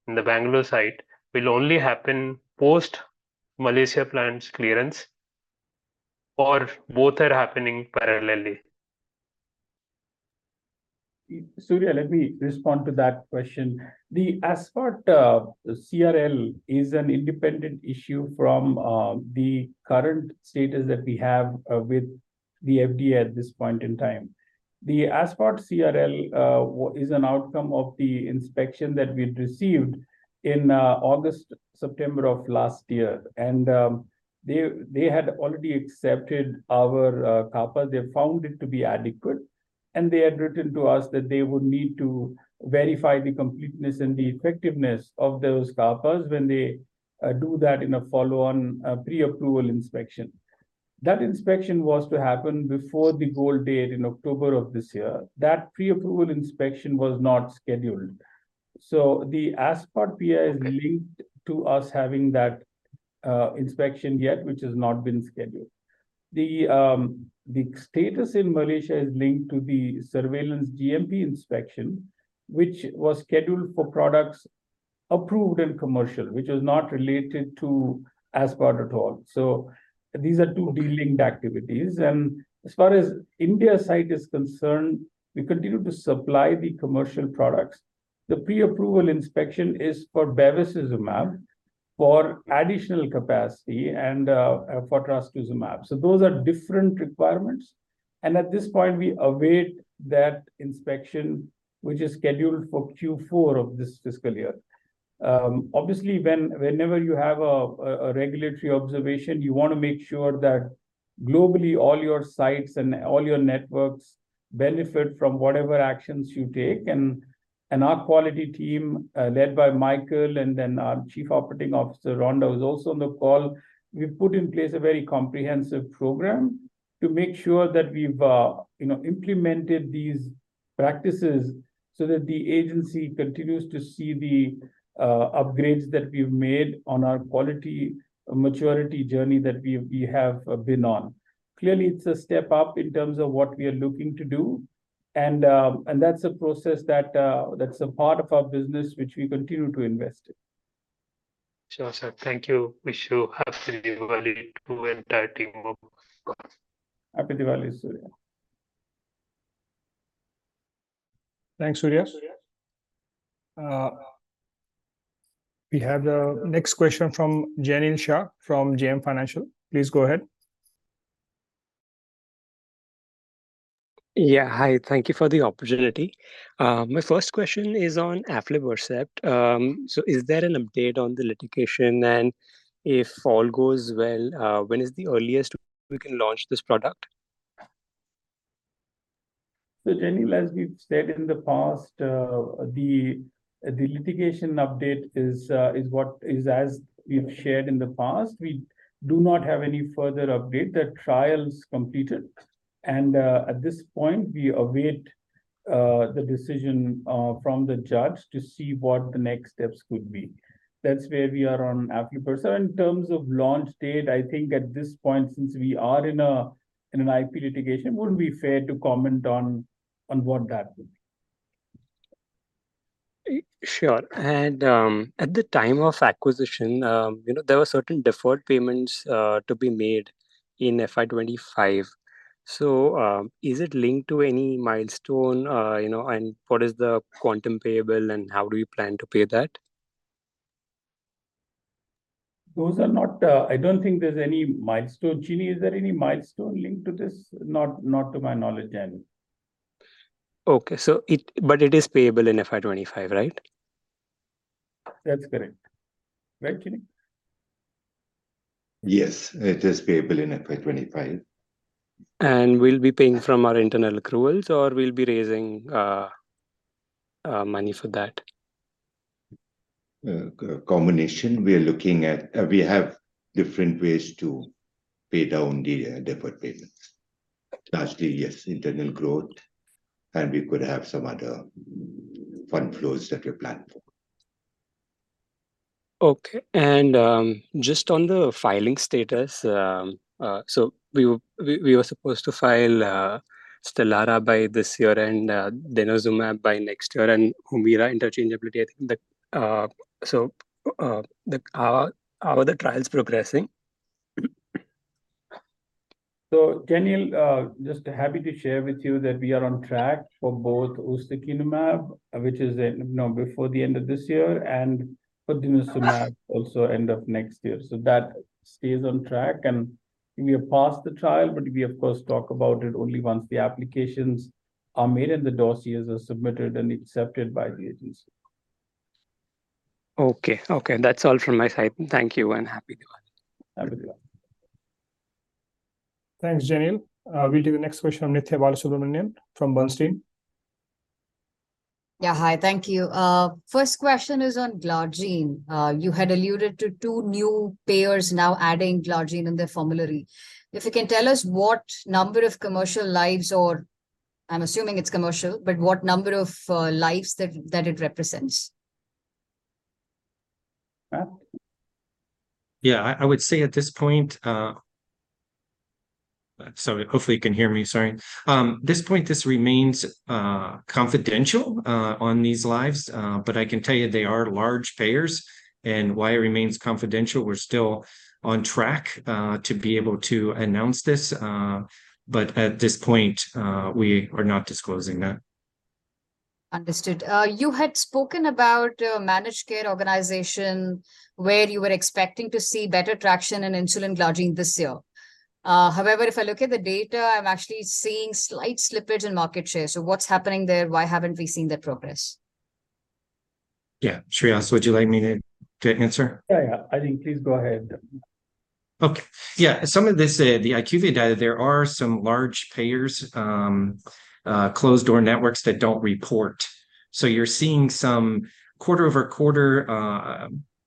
in the Bangalore site will only happen post Malaysia plant's clearance, or both are happening parallelly? Surya, let me respond to that question. The aspart CRL is an independent issue from the current status that we have with the FDA at this point in time. The aspart CRL is an outcome of the inspection that we received in August, September of last year. They had already accepted our CAPA. They found it to be adequate, and they had written to us that they would need to verify the completeness and the effectiveness of those CAPAs when they do that in a follow-on pre-approval inspection. That inspection was to happen before the goal date in October of this year. That pre-approval inspection was not scheduled. So the aspart PAI is linked to us having that inspection yet, which has not been scheduled. The status in Malaysia is linked to the surveillance GMP inspection, which was scheduled for products approved and commercial, which is not related to aspart at all. So these are two de-linked activities. As far as India site is concerned, we continue to supply the commercial products. The pre-approval inspection is for bevacizumab, for additional capacity and for trastuzumab. So those are different requirements, and at this point we await that inspection, which is scheduled for Q4 of this fiscal year. Obviously, whenever you have a regulatory observation, you wanna make sure that globally, all your sites and all your networks benefit from whatever actions you take. And our quality team, led by Michael, and then our Chief Operating Officer, Rhonda, who is also on the call, we've put in place a very comprehensive program to make sure that we've, you know, implemented these practices so that the agency continues to see the upgrades that we've made on our quality maturity journey that we've been on. Clearly, it's a step up in terms of what we are looking to do and that's a process that's a part of our business, which we continue to invest in. Sure, sir. Thank you. Wish you happy Diwali to entire team of Happy Diwali, Surya. Thanks, Surya. We have the next question from Jainil Shah from JM Financial. Please go ahead. Yeah, hi. Thank you for the opportunity. My first question is on aflibercept. So is there an update on the litigation? And if all goes well, when is the earliest we can launch this product? So, Jainil, as we've said in the past, the litigation update is what... is as we've shared in the past. We do not have any further update. The trial's completed, and at this point, we await the decision from the judge to see what the next steps could be. That's where we are on aflibercept. In terms of launch date, I think at this point, since we are in an IP litigation, it wouldn't be fair to comment on what that would be. Sure. And, at the time of acquisition, you know, there were certain deferred payments to be made in FY25. So, is it linked to any milestone, you know, and what is the quantum payable, and how do you plan to pay that? Those are not, I don't think there's any milestone. Jenny, is there any milestone linked to this? Not to my knowledge, Jainil. Okay, so but it is payable in FY25, right? That's correct. Right, Chini? Yes, it is payable in FY2025. We'll be paying from our internal accruals, or we'll be raising money for that? A combination. We are looking at... We have different ways to pay down the deferred payments. Lastly, yes, internal growth, and we could have some other fund flows that we planned for. Okay, and just on the filing status, so we were supposed to file Stelara by this year and denosumab by next year, and Humira interchangeability, I think that... So, how are the trials progressing? Jainil, just happy to share with you that we are on track for both ustekinumab, which is in, you know, before the end of this year, and for Denosumab also end of next year. That stays on track, and we have passed the trial, but we, of course, talk about it only once the applications are made and the dossiers are submitted and accepted by the agency. Okay. Okay, that's all from my side. Thank you, and happy Diwali. Happy Diwali. Thanks, Jainil. We'll do the next question from Nithya Balasubramanian from Bernstein. Yeah, hi. Thank you. First question is on Glargine. You had alluded to two new payers now adding Glargine in their formulary. If you can tell us what number of commercial lives, or I'm assuming it's commercial, but what number of lives that it represents? Matt? Yeah, I would say at this point. So hopefully you can hear me. Sorry. This point, this remains confidential along these lines. But I can tell you they are large payers. And why it remains confidential, we're still on track to be able to announce this, but at this point, we are not disclosing that. Understood. You had spoken about managed care organization, where you were expecting to see better traction in Insulin Glargine this year. However, if I look at the data, I'm actually seeing slight slippage in market share. So what's happening there? Why haven't we seen the progress? Yeah. Shreehas, would you like me to answer? Yeah, yeah. I think please go ahead. Okay, yeah. Some of this, the IQVIA data, there are some large payers, closed-door networks that don't report. So you're seeing some quarter-over-quarter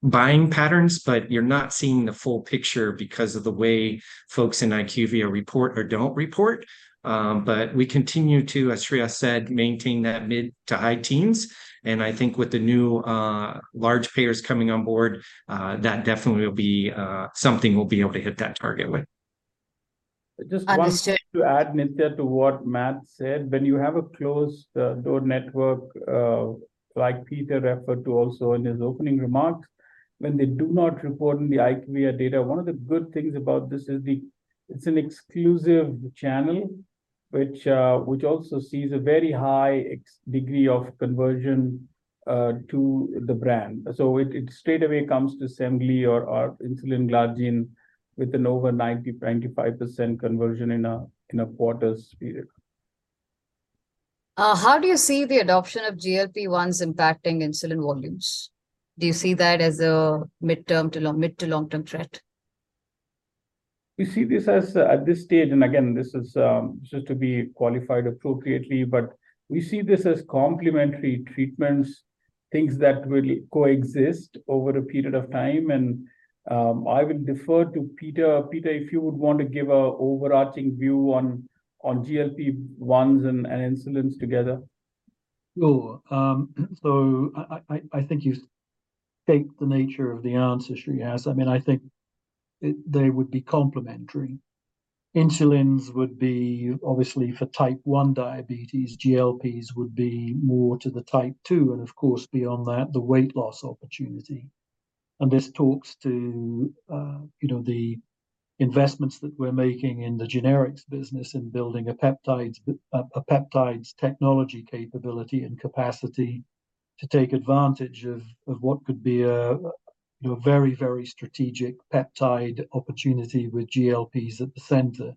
buying patterns, but you're not seeing the full picture because of the way folks in IQVIA report or don't report. But we continue to, as Shreehas said, maintain that mid to high teens, and I think with the new, large payers coming on board, that definitely will be, something we'll be able to hit that target with. Understood. Just one thing to add, Nithya, to what Matt said, when you have a closed door network like Peter referred to also in his opening remarks, when they do not report in the IQVIA data, one of the good things about this is it's an exclusive channel, which also sees a very high degree of conversion to the brand. So it straightaway comes to Semglee or insulin glargine with an over 90%-95% conversion in a quarter's period. How do you see the adoption of GLP-1s impacting insulin volumes? Do you see that as a mid- to long-term threat? We see this as at this stage, and again, this is just to be qualified appropriately, but we see this as complementary treatments, things that will coexist over a period of time. I will defer to Peter. Peter, if you would want to give an overarching view on GLP-1s and insulins together.... Sure. So I think you state the nature of the answer, Shreehas. I mean, I think it- they would be complementary. Insulins would be obviously for type 1 diabetes, GLPs would be more to the type 2, and of course, beyond that, the weight loss opportunity. And this talks to, you know, the investments that we're making in the generics business in building a peptides, a peptides technology capability and capacity to take advantage of, of what could be a, you know, very, very strategic peptide opportunity with GLPs at the center.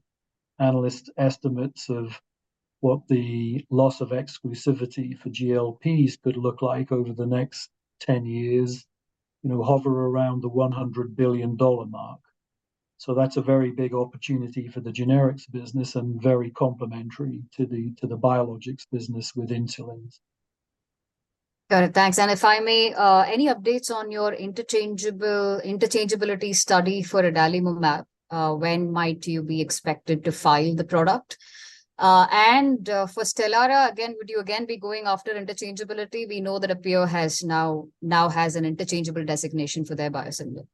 Analyst estimates of what the loss of exclusivity for GLPs could look like over the next 10 years, you know, hover around the $100 billion mark. So that's a very big opportunity for the generics business and very complementary to the, to the biologics business with insulins. Got it. Thanks. If I may, any updates on your interchangeability study for adalimumab? When might you be expected to file the product? And for Stelara, again, would you again be going after interchangeability? We know that a peer now has an interchangeable designation for their biosimilar.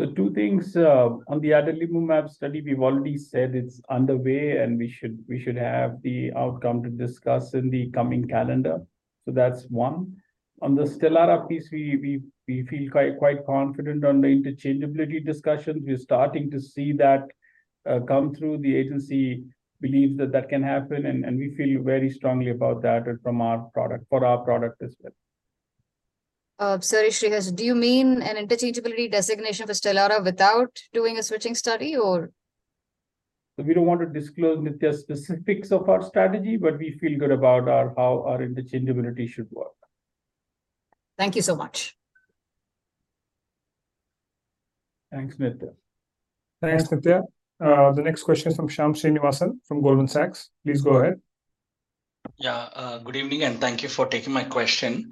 So two things on the adalimumab study, we've already said it's underway, and we should have the outcome to discuss in the coming calendar. So that's one. On the Stelara piece, we feel quite confident on the interchangeability discussions. We're starting to see that come through. The agency believes that that can happen, and we feel very strongly about that from our product—for our product as well. Sorry, Shreehas, do you mean an interchangeability designation for Stelara without doing a switching study, or? We don't want to disclose the specifics of our strategy, but we feel good about our how our interchangeability should work. Thank you so much. Thanks, Nithya. Thanks, Nithya. The next question is from Shyam Srinivasan from Goldman Sachs. Please go ahead. Yeah, good evening and thank you for taking my question.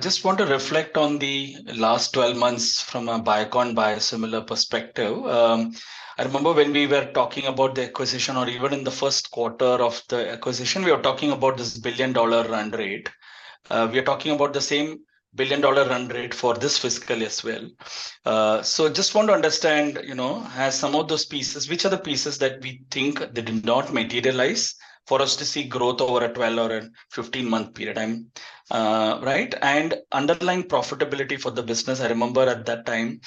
Just want to reflect on the last 12 months from a Biocon biosimilar perspective. I remember when we were talking about the acquisition or even in the first quarter of the acquisition, we were talking about this $1 billion run rate. We are talking about the same $1 billion run rate for this fiscal year as well. So just want to understand, you know, has some of those pieces... Which are the pieces that we think that did not materialize for us to see growth over a 12 or 15 month period time, right? And underlying profitability for the business, I remember at that time,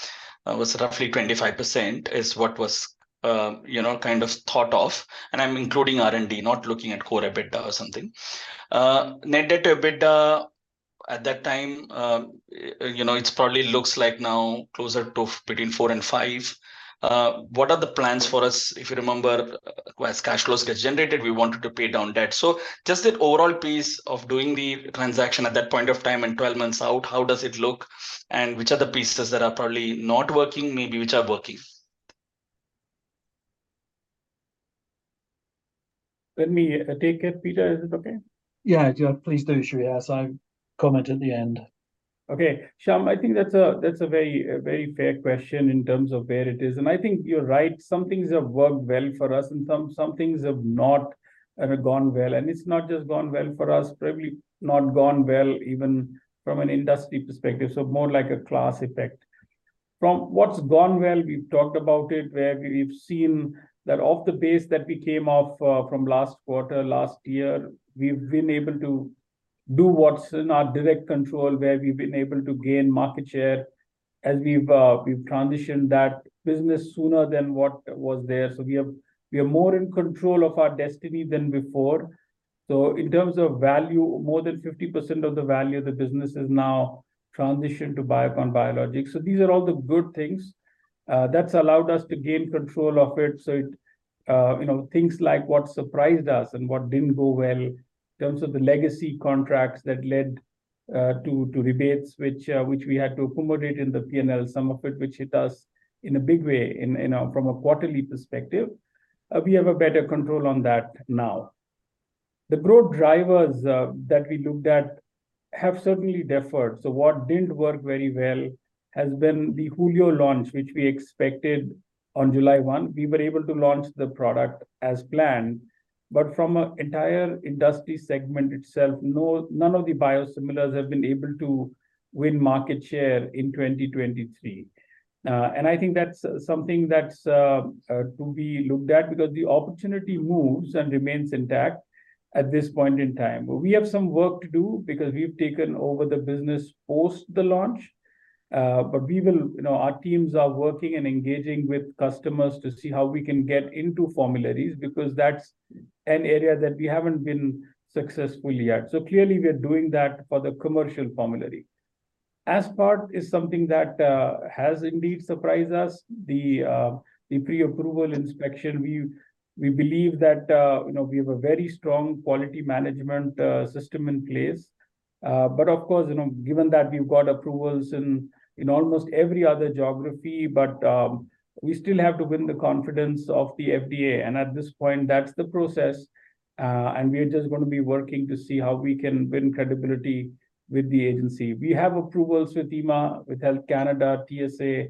was roughly 25%, is what was, you know, kind of thought of, and I'm including R&D, not looking at core EBITDA or something. Net debt to EBITDA at that time, you know, it probably looks like now closer to between 4 and 5. What are the plans for us? If you remember, as cash flows gets generated, we wanted to pay down debt. So just the overall piece of doing the transaction at that point of time and 12 months out, how does it look? And which are the pieces that are probably not working, maybe which are working? Let me take it, Peter. Is it okay? Yeah, sure. Please do, Shreehas. I'll comment at the end. Okay. Shyam, I think that's a very fair question in terms of where it is, and I think you're right. Some things have worked well for us, and some things have not gone well, and it's not just gone well for us, probably not gone well even from an industry perspective, so more like a class effect. From what's gone well, we've talked about it, where we've seen that off the base that we came off from last quarter, last year, we've been able to do what's in our direct control, where we've been able to gain market share as we've transitioned that business sooner than what was there. So we are more in control of our destiny than before. So in terms of value, more than 50% of the value of the business is now transitioned to Biocon Biologics. So these are all the good things. That's allowed us to gain control of it, so it... You know, things like what surprised us and what didn't go well in terms of the legacy contracts that led to rebates, which we had to accommodate in the P&L, some of it, which hit us in a big way, you know, from a quarterly perspective. We have a better control on that now. The broad drivers that we looked at have certainly differed. So what didn't work very well has been the Hulio launch, which we expected on July 1. We were able to launch the product as planned, but from an entire industry segment itself, none of the biosimilars have been able to win market share in 2023. And I think that's something that's to be looked at because the opportunity moves and remains intact at this point in time. We have some work to do because we've taken over the business post the launch, but we will. You know, our teams are working and engaging with customers to see how we can get into formularies, because that's an area that we haven't been successful yet. So clearly, we are doing that for the commercial formulary. Aspart is something that has indeed surprised us, the pre-approval inspection. We believe that, you know, we have a very strong quality management system in place. But of course, you know, given that we've got approvals in almost every other geography, but we still have to win the confidence of the FDA. And at this point, that's the process, and we are just gonna be working to see how we can win credibility with the agency. We have approvals with EMA, with Health Canada, TGA,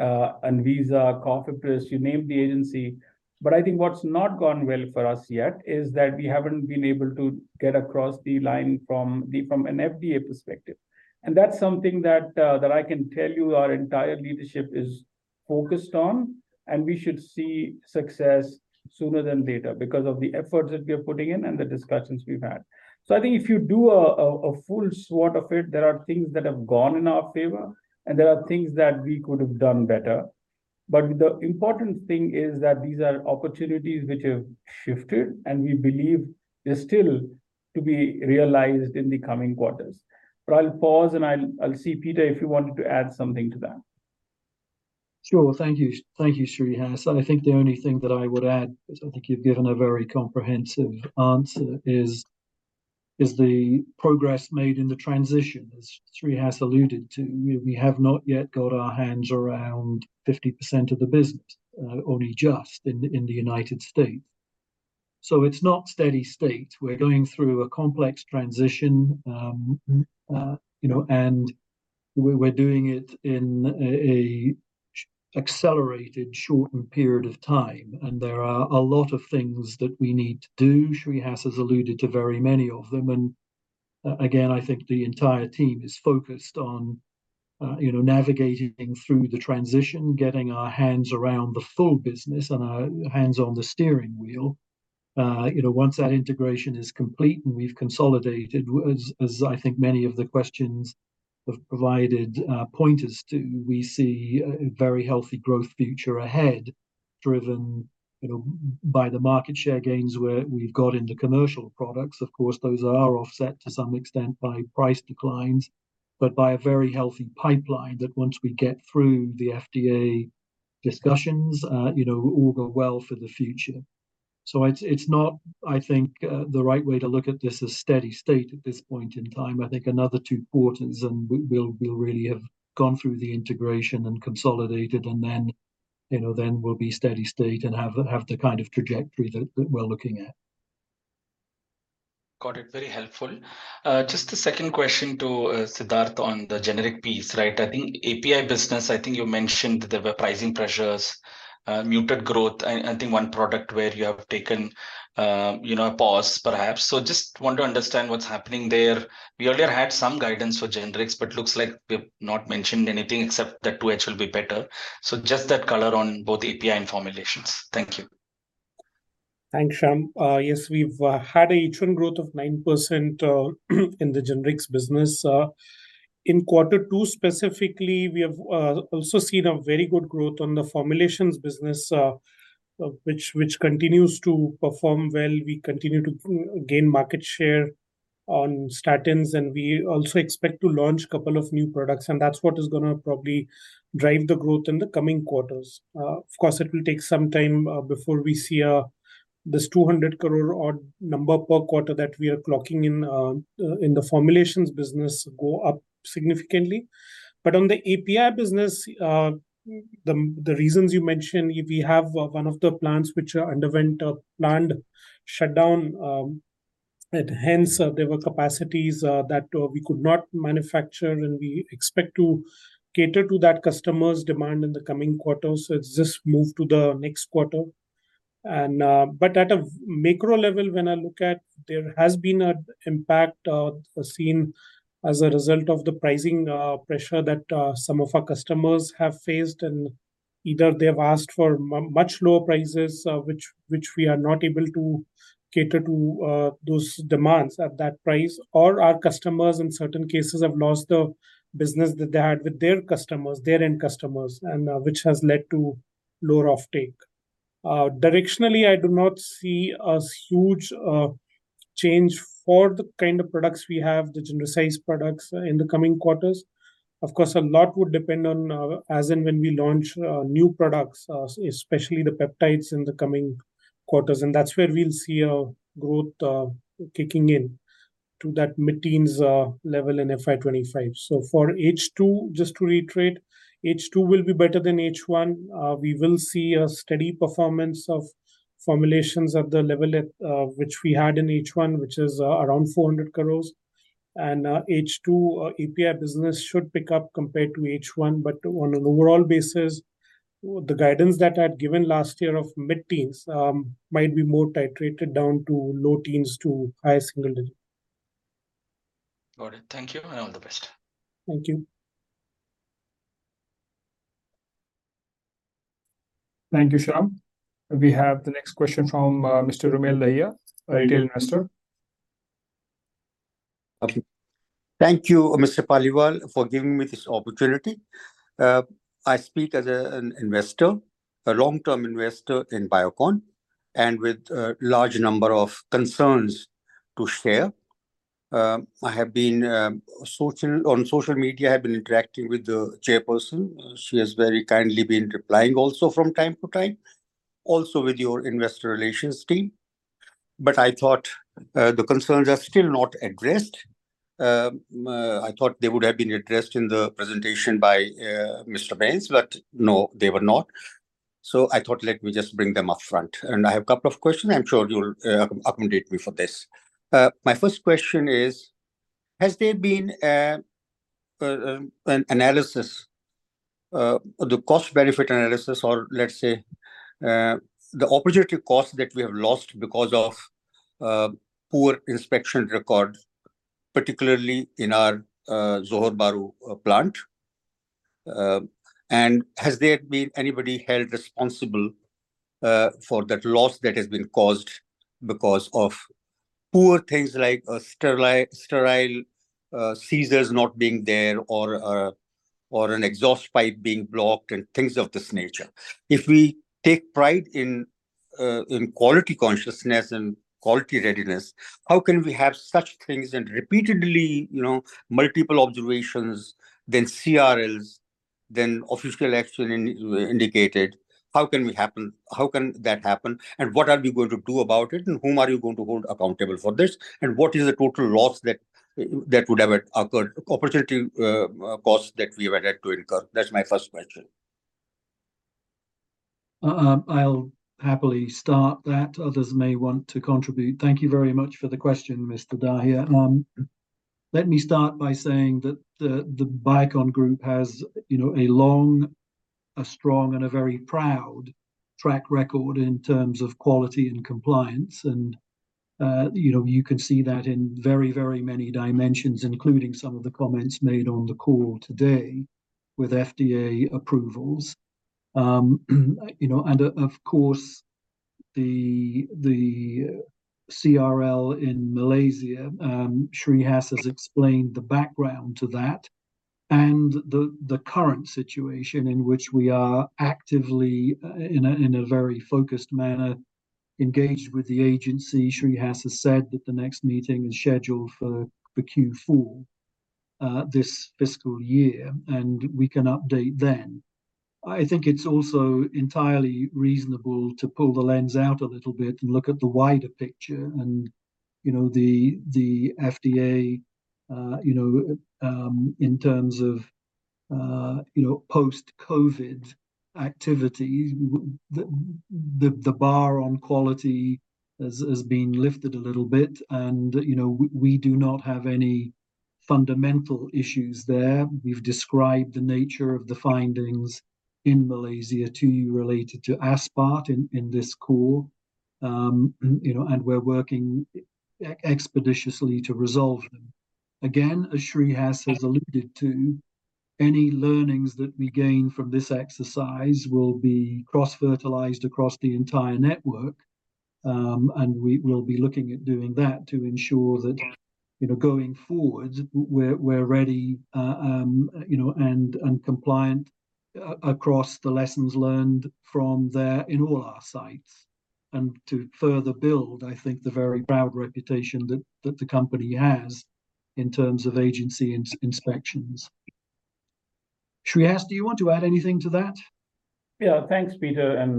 Anvisa, Cofepris, you name the agency. But I think what's not gone well for us yet is that we haven't been able to get across the line from an FDA perspective. And that's something that I can tell you our entire leadership is focused on, and we should see success sooner than later because of the efforts that we are putting in and the discussions we've had. So I think if you do a full SWOT of it, there are things that have gone in our favor, and there are things that we could have done better. But the important thing is that these are opportunities which have shifted, and we believe they're still to be realized in the coming quarters. But I'll pause, and I'll see, Peter, if you wanted to add something to that. Sure. Thank you. Thank you, Shreehas. I think the only thing that I would add, because I think you've given a very comprehensive answer, is the progress made in the transition. As Shreehas alluded to, we have not yet got our hands around 50% of the business, only just in the United States. So it's not steady state. We're going through a complex transition, you know, and we're doing it in an accelerated, shortened period of time, and there are a lot of things that we need to do. Shreehas has alluded to very many of them, and again, I think the entire team is focused on, you know, navigating through the transition, getting our hands around the full business, and our hands on the steering wheel. You know, once that integration is complete, and we've consolidated, as I think many of the questions have provided pointers to, we see a very healthy growth future ahead, driven, you know, by the market share gains where we've got into commercial products. Of course, those are offset to some extent by price declines, but by a very healthy pipeline that once we get through the FDA discussions, you know, all go well for the future. So it's not, I think, the right way to look at this as steady state at this point in time. I think another two quarters, and we'll really have gone through the integration and consolidated, and then, you know, then we'll be steady state and have the kind of trajectory that we're looking at. Got it. Very helpful. Just a second question to Siddharth on the generic piece, right? I think API business, I think you mentioned there were pricing pressures, muted growth, and I think one product where you have taken, you know, a pause, perhaps. So just want to understand what's happening there. We earlier had some guidance for generics, but looks like we've not mentioned anything except that H2 will be better. So just that color on both API and formulations. Thank you. Thanks, Shyam. Yes, we've had a H1 growth of 9% in the generics business. In quarter two specifically, we have also seen a very good growth on the formulations business, which continues to perform well. We continue to gain market share on statins, and we also expect to launch couple of new products, and that's what is gonna probably drive the growth in the coming quarters. Of course, it will take some time before we see this 200 crore odd number per quarter that we are clocking in the formulations business go up significantly. But on the API business, the reasons you mentioned, we have one of the plants which underwent a planned shutdown. And hence, there were capacities that we could not manufacture, and we expect to cater to that customers' demand in the coming quarters. So it's just moved to the next quarter. But at a macro level, when I look at, there has been an impact seen as a result of the pricing pressure that some of our customers have faced, and either they have asked for much lower prices, which we are not able to cater to those demands at that price. Or our customers, in certain cases, have lost the business that they had with their customers, their end customers, and which has led to lower offtake. Directionally, I do not see a huge change for the kind of products we have, the genericized products, in the coming quarters. Of course, a lot would depend on, as and when we launch, new products, especially the peptides in the coming quarters, and that's where we'll see a growth, kicking in to that mid-teens, level in FY 2025. So for H2, just to reiterate, H2 will be better than H1. We will see a steady performance of formulations at the level at, which we had in H1, which is, around 400 crores. And, H2, API business should pick up compared to H1, but on an overall basis, the guidance that I'd given last year of mid-teens, might be more titrated down to low teens to high single digit. Got it. Thank you, and all the best. Thank you. Thank you, Shyam. We have the next question from Mr. Rumel Dahiya, a retail investor. Okay. Thank you, Mr. Paliwal, for giving me this opportunity. I speak as a, an investor, a long-term investor in Biocon, and with a large number of concerns to share. I have been on social media, I've been interacting with the chairperson. She has very kindly been replying also from time to time, also with your investor relations team, but I thought the concerns are still not addressed. I thought they would have been addressed in the presentation by Mr. Bains, but no, they were not. So I thought, let me just bring them up front, and I have a couple of questions. I'm sure you'll accommodate me for this. My first question is: Has there been a, an analysis, the cost-benefit analysis or, let's say, the opportunity cost that we have lost because of poor inspection record?... particularly in our Johor Bahru plant. Has there been anybody held responsible, for that loss that has been caused because of poor things like a sterile scissors not being there or an exhaust pipe being blocked, and things of this nature? If we take pride in quality consciousness and quality readiness, how can we have such things and repeatedly, you know, multiple observations, then CRLs, then official action indicated, how can that happen, and what are we going to do about it, and whom are you going to hold accountable for this? What is the total loss that, that would have occurred, opportunity, cost that we would had to incur? That's my first question. I'll happily start that. Others may want to contribute. Thank you very much for the question, Mr. Dahiya. Let me start by saying that the Biocon Group has, you know, a long, a strong, and a very proud track record in terms of quality and compliance. You know, you can see that in very, very many dimensions, including some of the comments made on the call today with FDA approvals. You know, and of course, the CRL in Malaysia. Shreehas has explained the background to that and the current situation in which we are actively in a very focused manner engaged with the agency. Shreehas has said that the next meeting is scheduled for the Q4 this fiscal year, and we can update then. I think it's also entirely reasonable to pull the lens out a little bit and look at the wider picture and, you know, the FDA, you know, in terms of, you know, post-COVID activity, the bar on quality has been lifted a little bit and, you know, we do not have any fundamental issues there. We've described the nature of the findings in Malaysia to you related to aspart in this call. You know, and we're working expeditiously to resolve them. Again, as Shreehas has alluded to, any learnings that we gain from this exercise will be cross-fertilized across the entire network. And we will be looking at doing that to ensure that, you know, going forward, we're ready, you know, and compliant across the lessons learned from there in all our sites. And to further build, I think, the very proud reputation that the company has in terms of agency inspections. Shreehas, do you want to add anything to that? Yeah. Thanks, Peter, and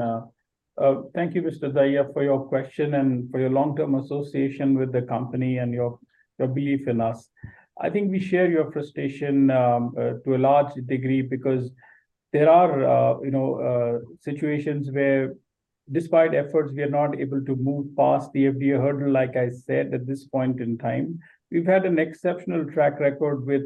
thank you, Mr. Dahiya, for your question and for your long-term association with the company and your, your belief in us. I think we share your frustration to a large degree because there are, you know, situations where despite efforts, we are not able to move past the FDA hurdle, like I said, at this point in time. We've had an exceptional track record with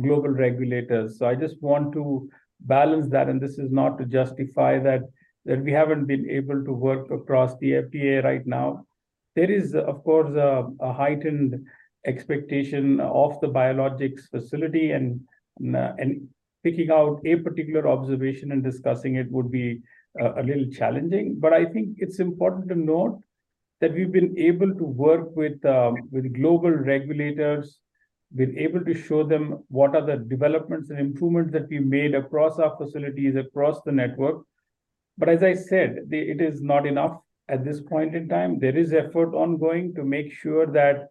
global regulators, so I just want to balance that, and this is not to justify that, that we haven't been able to work across the FDA right now. There is, of course, a heightened expectation of the biologics facility and, and picking out a particular observation and discussing it would be a little challenging. But I think it's important to note that we've been able to work with, with global regulators. We've been able to show them what are the developments and improvements that we've made across our facilities, across the network. But as I said, it is not enough at this point in time. There is effort ongoing to make sure that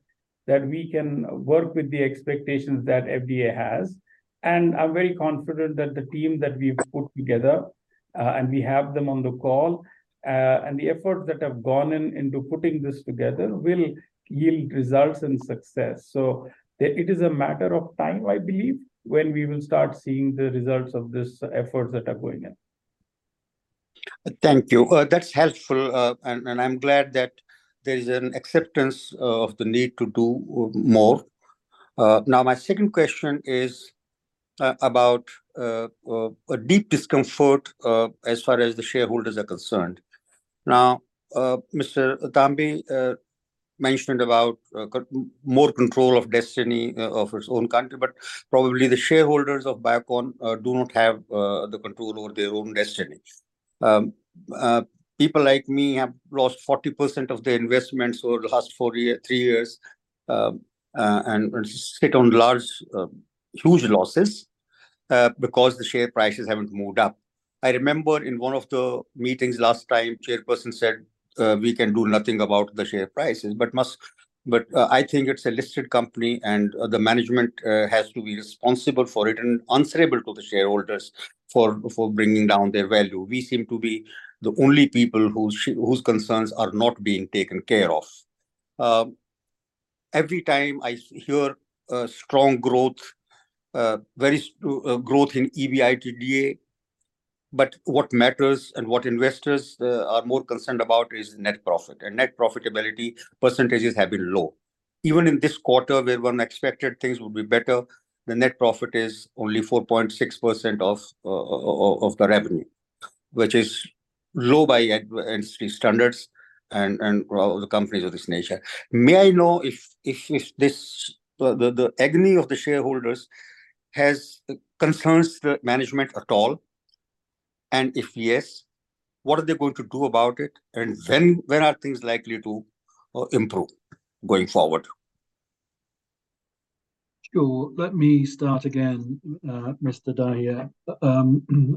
we can work with the expectations that FDA has, and I'm very confident that the team that we've put together, and we have them on the call, and the effort that have gone into putting this together will yield results and success. So it is a matter of time, I believe, when we will start seeing the results of this efforts that are going in. Thank you. That's helpful, and I'm glad that there is an acceptance of the need to do more. Now, my second question is about a deep discomfort as far as the shareholders are concerned. Now, Mr. Tambe mentioned about more control of destiny of his own country, but probably the shareholders of Biocon do not have the control over their own destiny. People like me have lost 40% of their investments over the last 4 year, 3 years, and sit on large huge losses because the share prices haven't moved up. I remember in one of the meetings last time, chairperson said, "We can do nothing about the share prices," but must... But I think it's a listed company, and the management has to be responsible for it and answerable to the shareholders for bringing down their value. We seem to be the only people whose concerns are not being taken care of. Every time I hear a strong growth, very strong growth in EBITDA, but what matters and what investors are more concerned about is net profit, and net profitability percentages have been low. Even in this quarter, where one expected things would be better, the net profit is only 4.6% of the revenue, which is low by industry standards and for all the companies of this nature. May I know if the agony of the shareholders concerns the management at all? If yes, what are they going to do about it, and when are things likely to improve going forward? Sure, let me start again, Mr. Dahiya.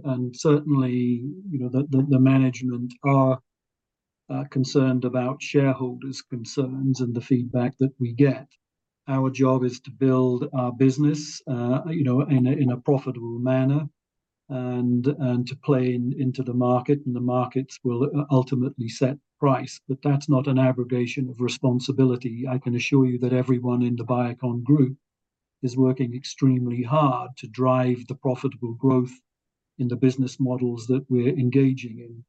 And certainly, you know, the management are concerned about shareholders' concerns and the feedback that we get. Our job is to build our business, you know, in a profitable manner, and to play into the market, and the markets will ultimately set price. But that's not an abrogation of responsibility. I can assure you that everyone in the Biocon Group is working extremely hard to drive the profitable growth in the business models that we're engaging in.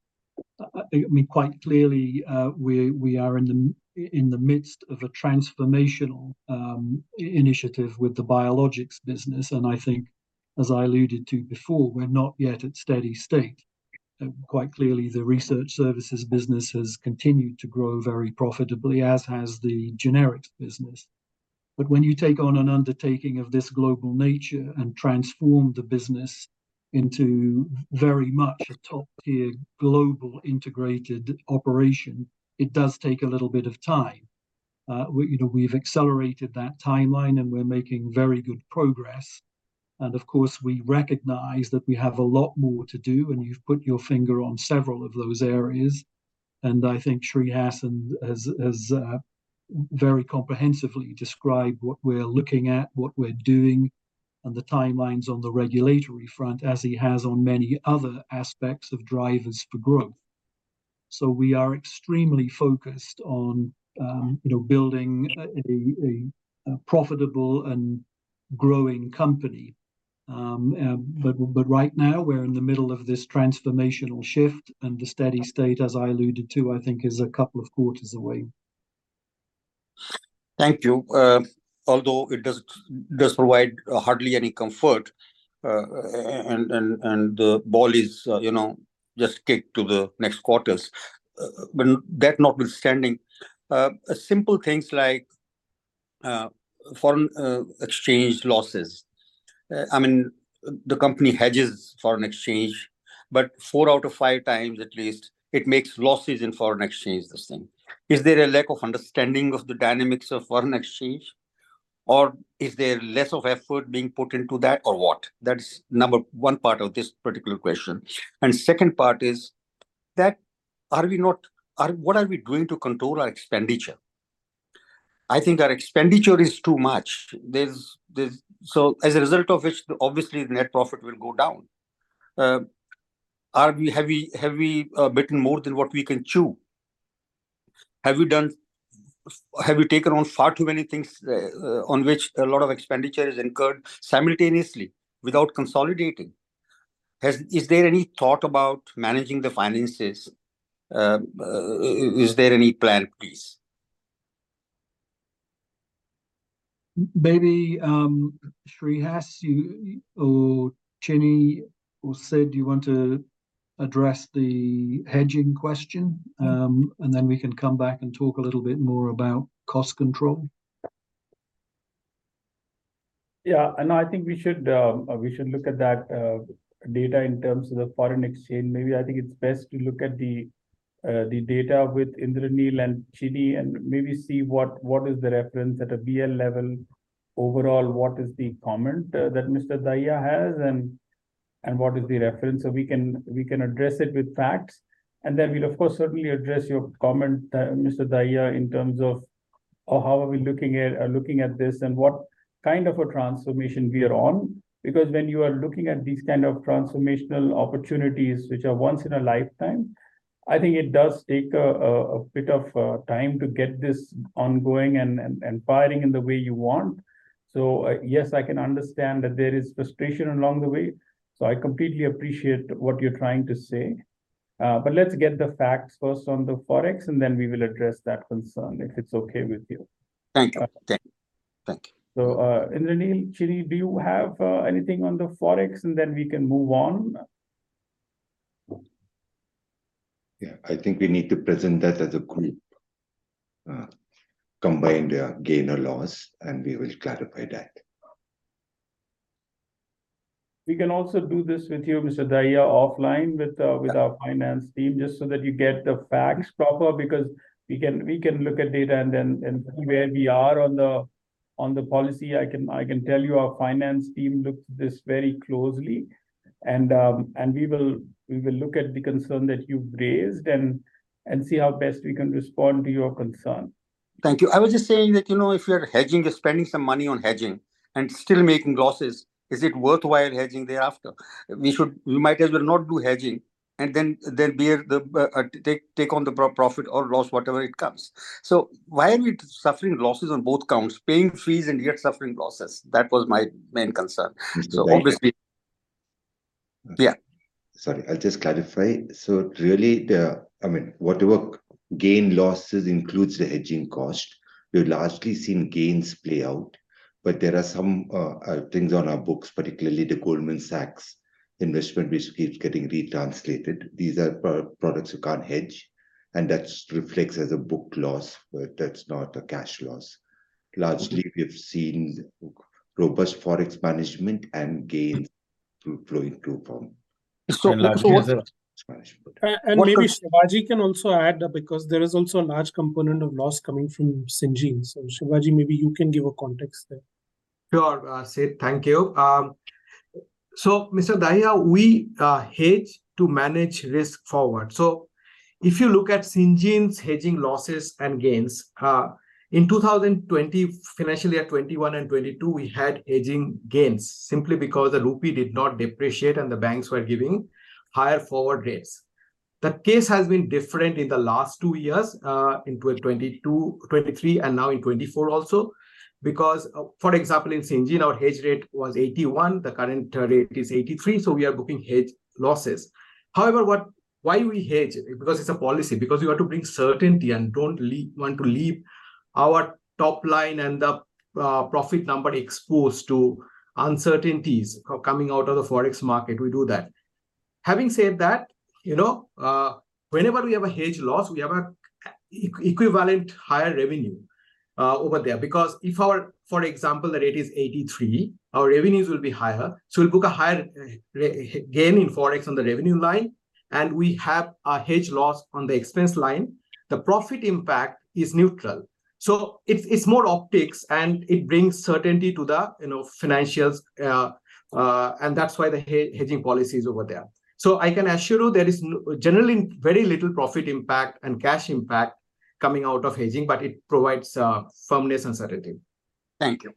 I mean, quite clearly, we are in the midst of a transformational initiative with the biologics business, and I think, as I alluded to before, we're not yet at steady state. Quite clearly, the research services business has continued to grow very profitably, as has the generics business. But when you take on an undertaking of this global nature and transform the business into very much a top-tier global integrated operation, it does take a little bit of time. We, you know, we've accelerated that timeline, and we're making very good progress. And of course, we recognize that we have a lot more to do, and you've put your finger on several of those areas. And I think Shreehas has very comprehensively described what we're looking at, what we're doing, and the timelines on the regulatory front, as he has on many other aspects of drivers for growth. So we are extremely focused on building a profitable and growing company. Right now, we're in the middle of this transformational shift, and the steady state, as I alluded to, I think is a couple of quarters away. Thank you. Although it does, does provide hardly any comfort, and the ball is, you know, just kicked to the next quarters. But that notwithstanding, simple things like foreign exchange losses. I mean, the company hedges foreign exchange, but four out of five times at least, it makes losses in foreign exchange this thing. Is there a lack of understanding of the dynamics of foreign exchange, or is there less of effort being put into that, or what? That's number one part of this particular question. And second part is that, are we not... What are we doing to control our expenditure? I think our expenditure is too much. There's, so as a result of which, obviously the net profit will go down. Are we, have we bitten more than what we can chew? Have you taken on far too many things on which a lot of expenditure is incurred simultaneously without consolidating? Is there any thought about managing the finances? Is there any plan, please? Maybe, Shreehas, you, or Chini, or Sid, do you want to address the hedging question? And then we can come back and talk a little bit more about cost control. Yeah, and I think we should, we should look at that data in terms of the foreign exchange. Maybe I think it's best to look at the, the data with Indranil and Chini and maybe see what, what is the reference at a BL level. Overall, what is the comment that Mr. Dahiya has, and, and what is the reference? So we can, we can address it with facts, and then we'll, of course, certainly address your comment, Mr. Dahiya, in terms of, how are we looking at, looking at this, and what kind of a transformation we are on. Because when you are looking at these kind of transformational opportunities, which are once in a lifetime, I think it does take a bit of time to get this ongoing and, and firing in the way you want. So, yes, I can understand that there is frustration along the way, so I completely appreciate what you're trying to say. But let's get the facts first on the Forex, and then we will address that concern, if it's okay with you. Thank you. Thank you. Thank you. Indranil, Chini, do you have anything on the Forex, and then we can move on? Yeah, I think we need to present that as a group. Combine the gain or loss, and we will clarify that. We can also do this with you, Mr. Dahiya, offline with our finance team, just so that you get the facts proper, because we can look at data and then see where we are on the policy. I can tell you our finance team looked at this very closely, and we will look at the concern that you've raised and see how best we can respond to your concern. Thank you. I was just saying that, you know, if you're hedging, you're spending some money on hedging, and still making losses, is it worthwhile hedging thereafter? We might as well not do hedging, and then bear the profit or loss, whatever it comes. So why are we suffering losses on both counts, paying fees and yet suffering losses? That was my main concern. Thank you. So obviously... Yeah. Sorry, I'll just clarify. So really, the... I mean, whatever-... gain losses includes the hedging cost. We've largely seen gains play out, but there are some things on our books, particularly the Goldman Sachs investment, which keeps getting retranslated. These are products you can't hedge, and that reflects as a book loss, but that's not a cash loss. Largely, we've seen robust forex management and gains through flowing through from- Largely as a- Management. And maybe Sibaji can also add up, because there is also a large component of loss coming from Syngene. So Sibaji, maybe you can give a context there. Sure, Sid, thank you. So Mr. Dahiya, we hedge to manage risk forward. So if you look at Syngene's hedging losses and gains, in 2020, financial year 2021 and 2022, we had hedging gains simply because the rupee did not depreciate and the banks were giving higher forward rates. The case has been different in the last two years, in 2022, 2023, and now in 2024 also. Because, for example, in Syngene, our hedge rate was 81, the current rate is 83, so we are booking hedge losses. However, why we hedge? Because it's a policy, because we want to bring certainty and don't want to leave our top line and the profit number exposed to uncertainties coming out of the forex market, we do that. Having said that, you know, whenever we have a hedge loss, we have an equivalent higher revenue over there. Because if our... For example, the rate is 83, our revenues will be higher, so we'll book a higher gain in forex on the revenue line, and we have a hedge loss on the expense line. The profit impact is neutral. So it's, it's more optics, and it brings certainty to the, you know, financials, and that's why the hedging policy is over there. So I can assure you there is generally very little profit impact and cash impact coming out of hedging, but it provides firmness and certainty. Thank you.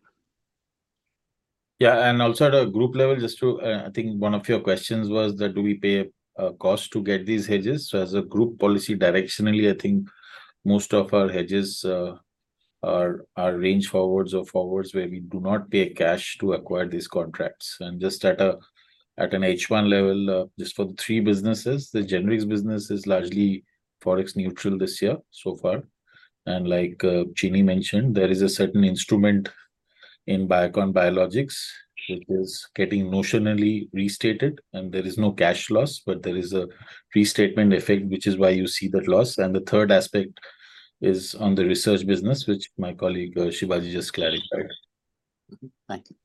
Yeah, and also at a group level, just to, I think one of your questions was that do we pay a cost to get these hedges? So as a group policy, directionally, I think most of our hedges are range forwards or forwards, where we do not pay cash to acquire these contracts. And just at a H1 level, just for the three businesses, the generics business is largely forex neutral this year so far. And like Chini mentioned, there is a certain instrument in Biocon Biologics. It is getting notionally restated, and there is no cash loss, but there is a restatement effect, which is why you see that loss. And the third aspect is on the research business, which my colleague, Sibaji just clarified. Mm-hmm. Thank you.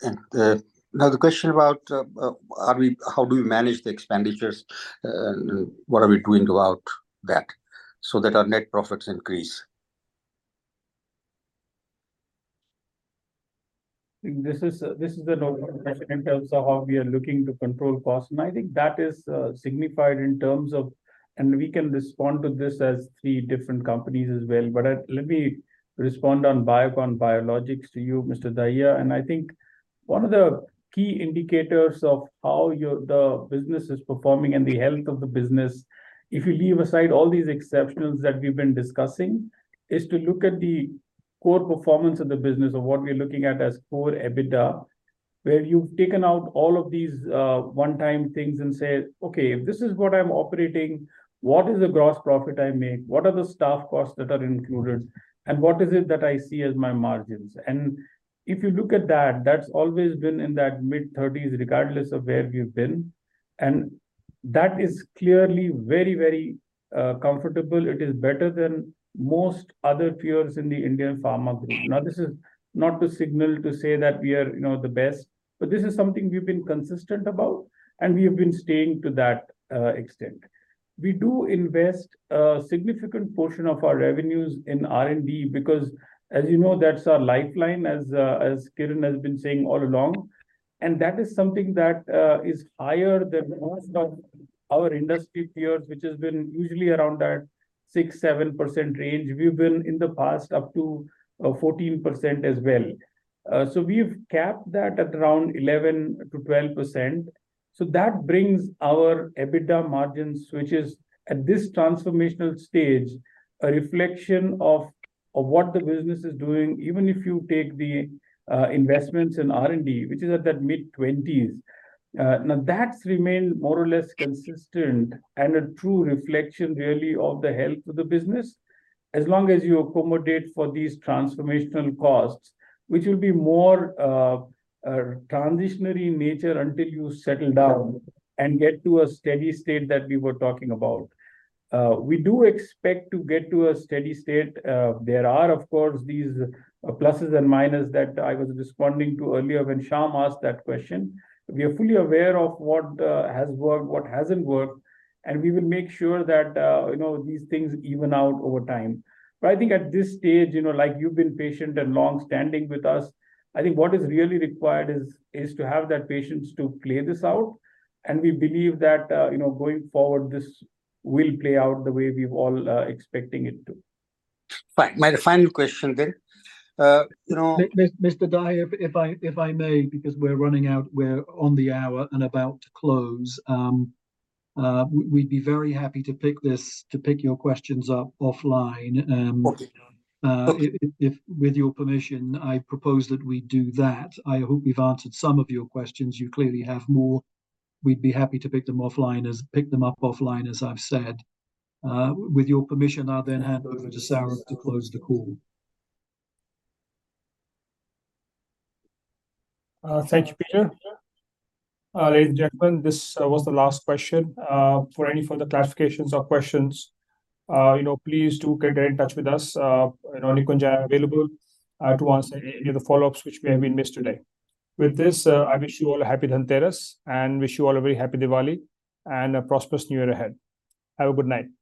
Thank you. And, now the question about, are we, how do we manage the expenditures, and what are we doing about that so that our net profits increase? I think this is a normal question in terms of how we are looking to control costs, and I think that is signified in terms of... We can respond to this as three different companies as well. But let me respond on Biocon Biologics to you, Mr. Dahiya. And I think one of the key indicators of how the business is performing and the health of the business, if you leave aside all these exceptionals that we've been discussing, is to look at the core performance of the business or what we're looking at as core EBITDA, where you've taken out all of these one-time things and said, "Okay, if this is what I'm operating, what is the gross profit I make? What are the staff costs that are included, and what is it that I see as my margins?" And if you look at that, that's always been in that mid-thirties, regardless of where we've been, and that is clearly very, very, comfortable. It is better than most other peers in the Indian pharma group. Now, this is not to signal to say that we are, you know, the best, but this is something we've been consistent about, and we have been staying to that, extent. We do invest a significant portion of our revenues in R&D because, as you know, that's our lifeline, as, as Kiran has been saying all along, and that is something that, is higher than most of our industry peers, which has been usually around that 6%-7% range. We've been, in the past, up to, 14% as well. So we've capped that at around 11%-12%. So that brings our EBITDA margins, which is, at this transformational stage, a reflection of what the business is doing, even if you take the investments in R&D, which is at that mid-20s. Now, that's remained more or less consistent and a true reflection really of the health of the business, as long as you accommodate for these transformational costs, which will be more transitionary in nature until you settle down and get to a steady state that we were talking about. We do expect to get to a steady state. There are, of course, these pluses and minuses that I was responding to earlier when Shyam asked that question. We are fully aware of what has worked, what hasn't worked, and we will make sure that you know, these things even out over time. But I think at this stage, you know, like you've been patient and long-standing with us, I think what is really required is to have that patience to play this out, and we believe that you know, going forward, this will play out the way we're all expecting it to. Fine. My final question then, you know- Mr. Dahiya, if I may, because we're running out. We're on the hour and about to close. We'd be very happy to pick this, to pick your questions up offline. Okay. If, with your permission, I propose that we do that. I hope we've answered some of your questions. You clearly have more. We'd be happy to pick them up offline, as I've said. With your permission, I'll then hand over to Saurabh to close the call. Thank you, Peter. Ladies and gentlemen, this was the last question. For any further clarifications or questions, you know, please do get in touch with us. And Nikunj and I are available to answer any of the follow-ups which may have been missed today. With this, I wish you all a happy Dhanteras, and wish you all a very happy Diwali, and a prosperous New Year ahead. Have a good night.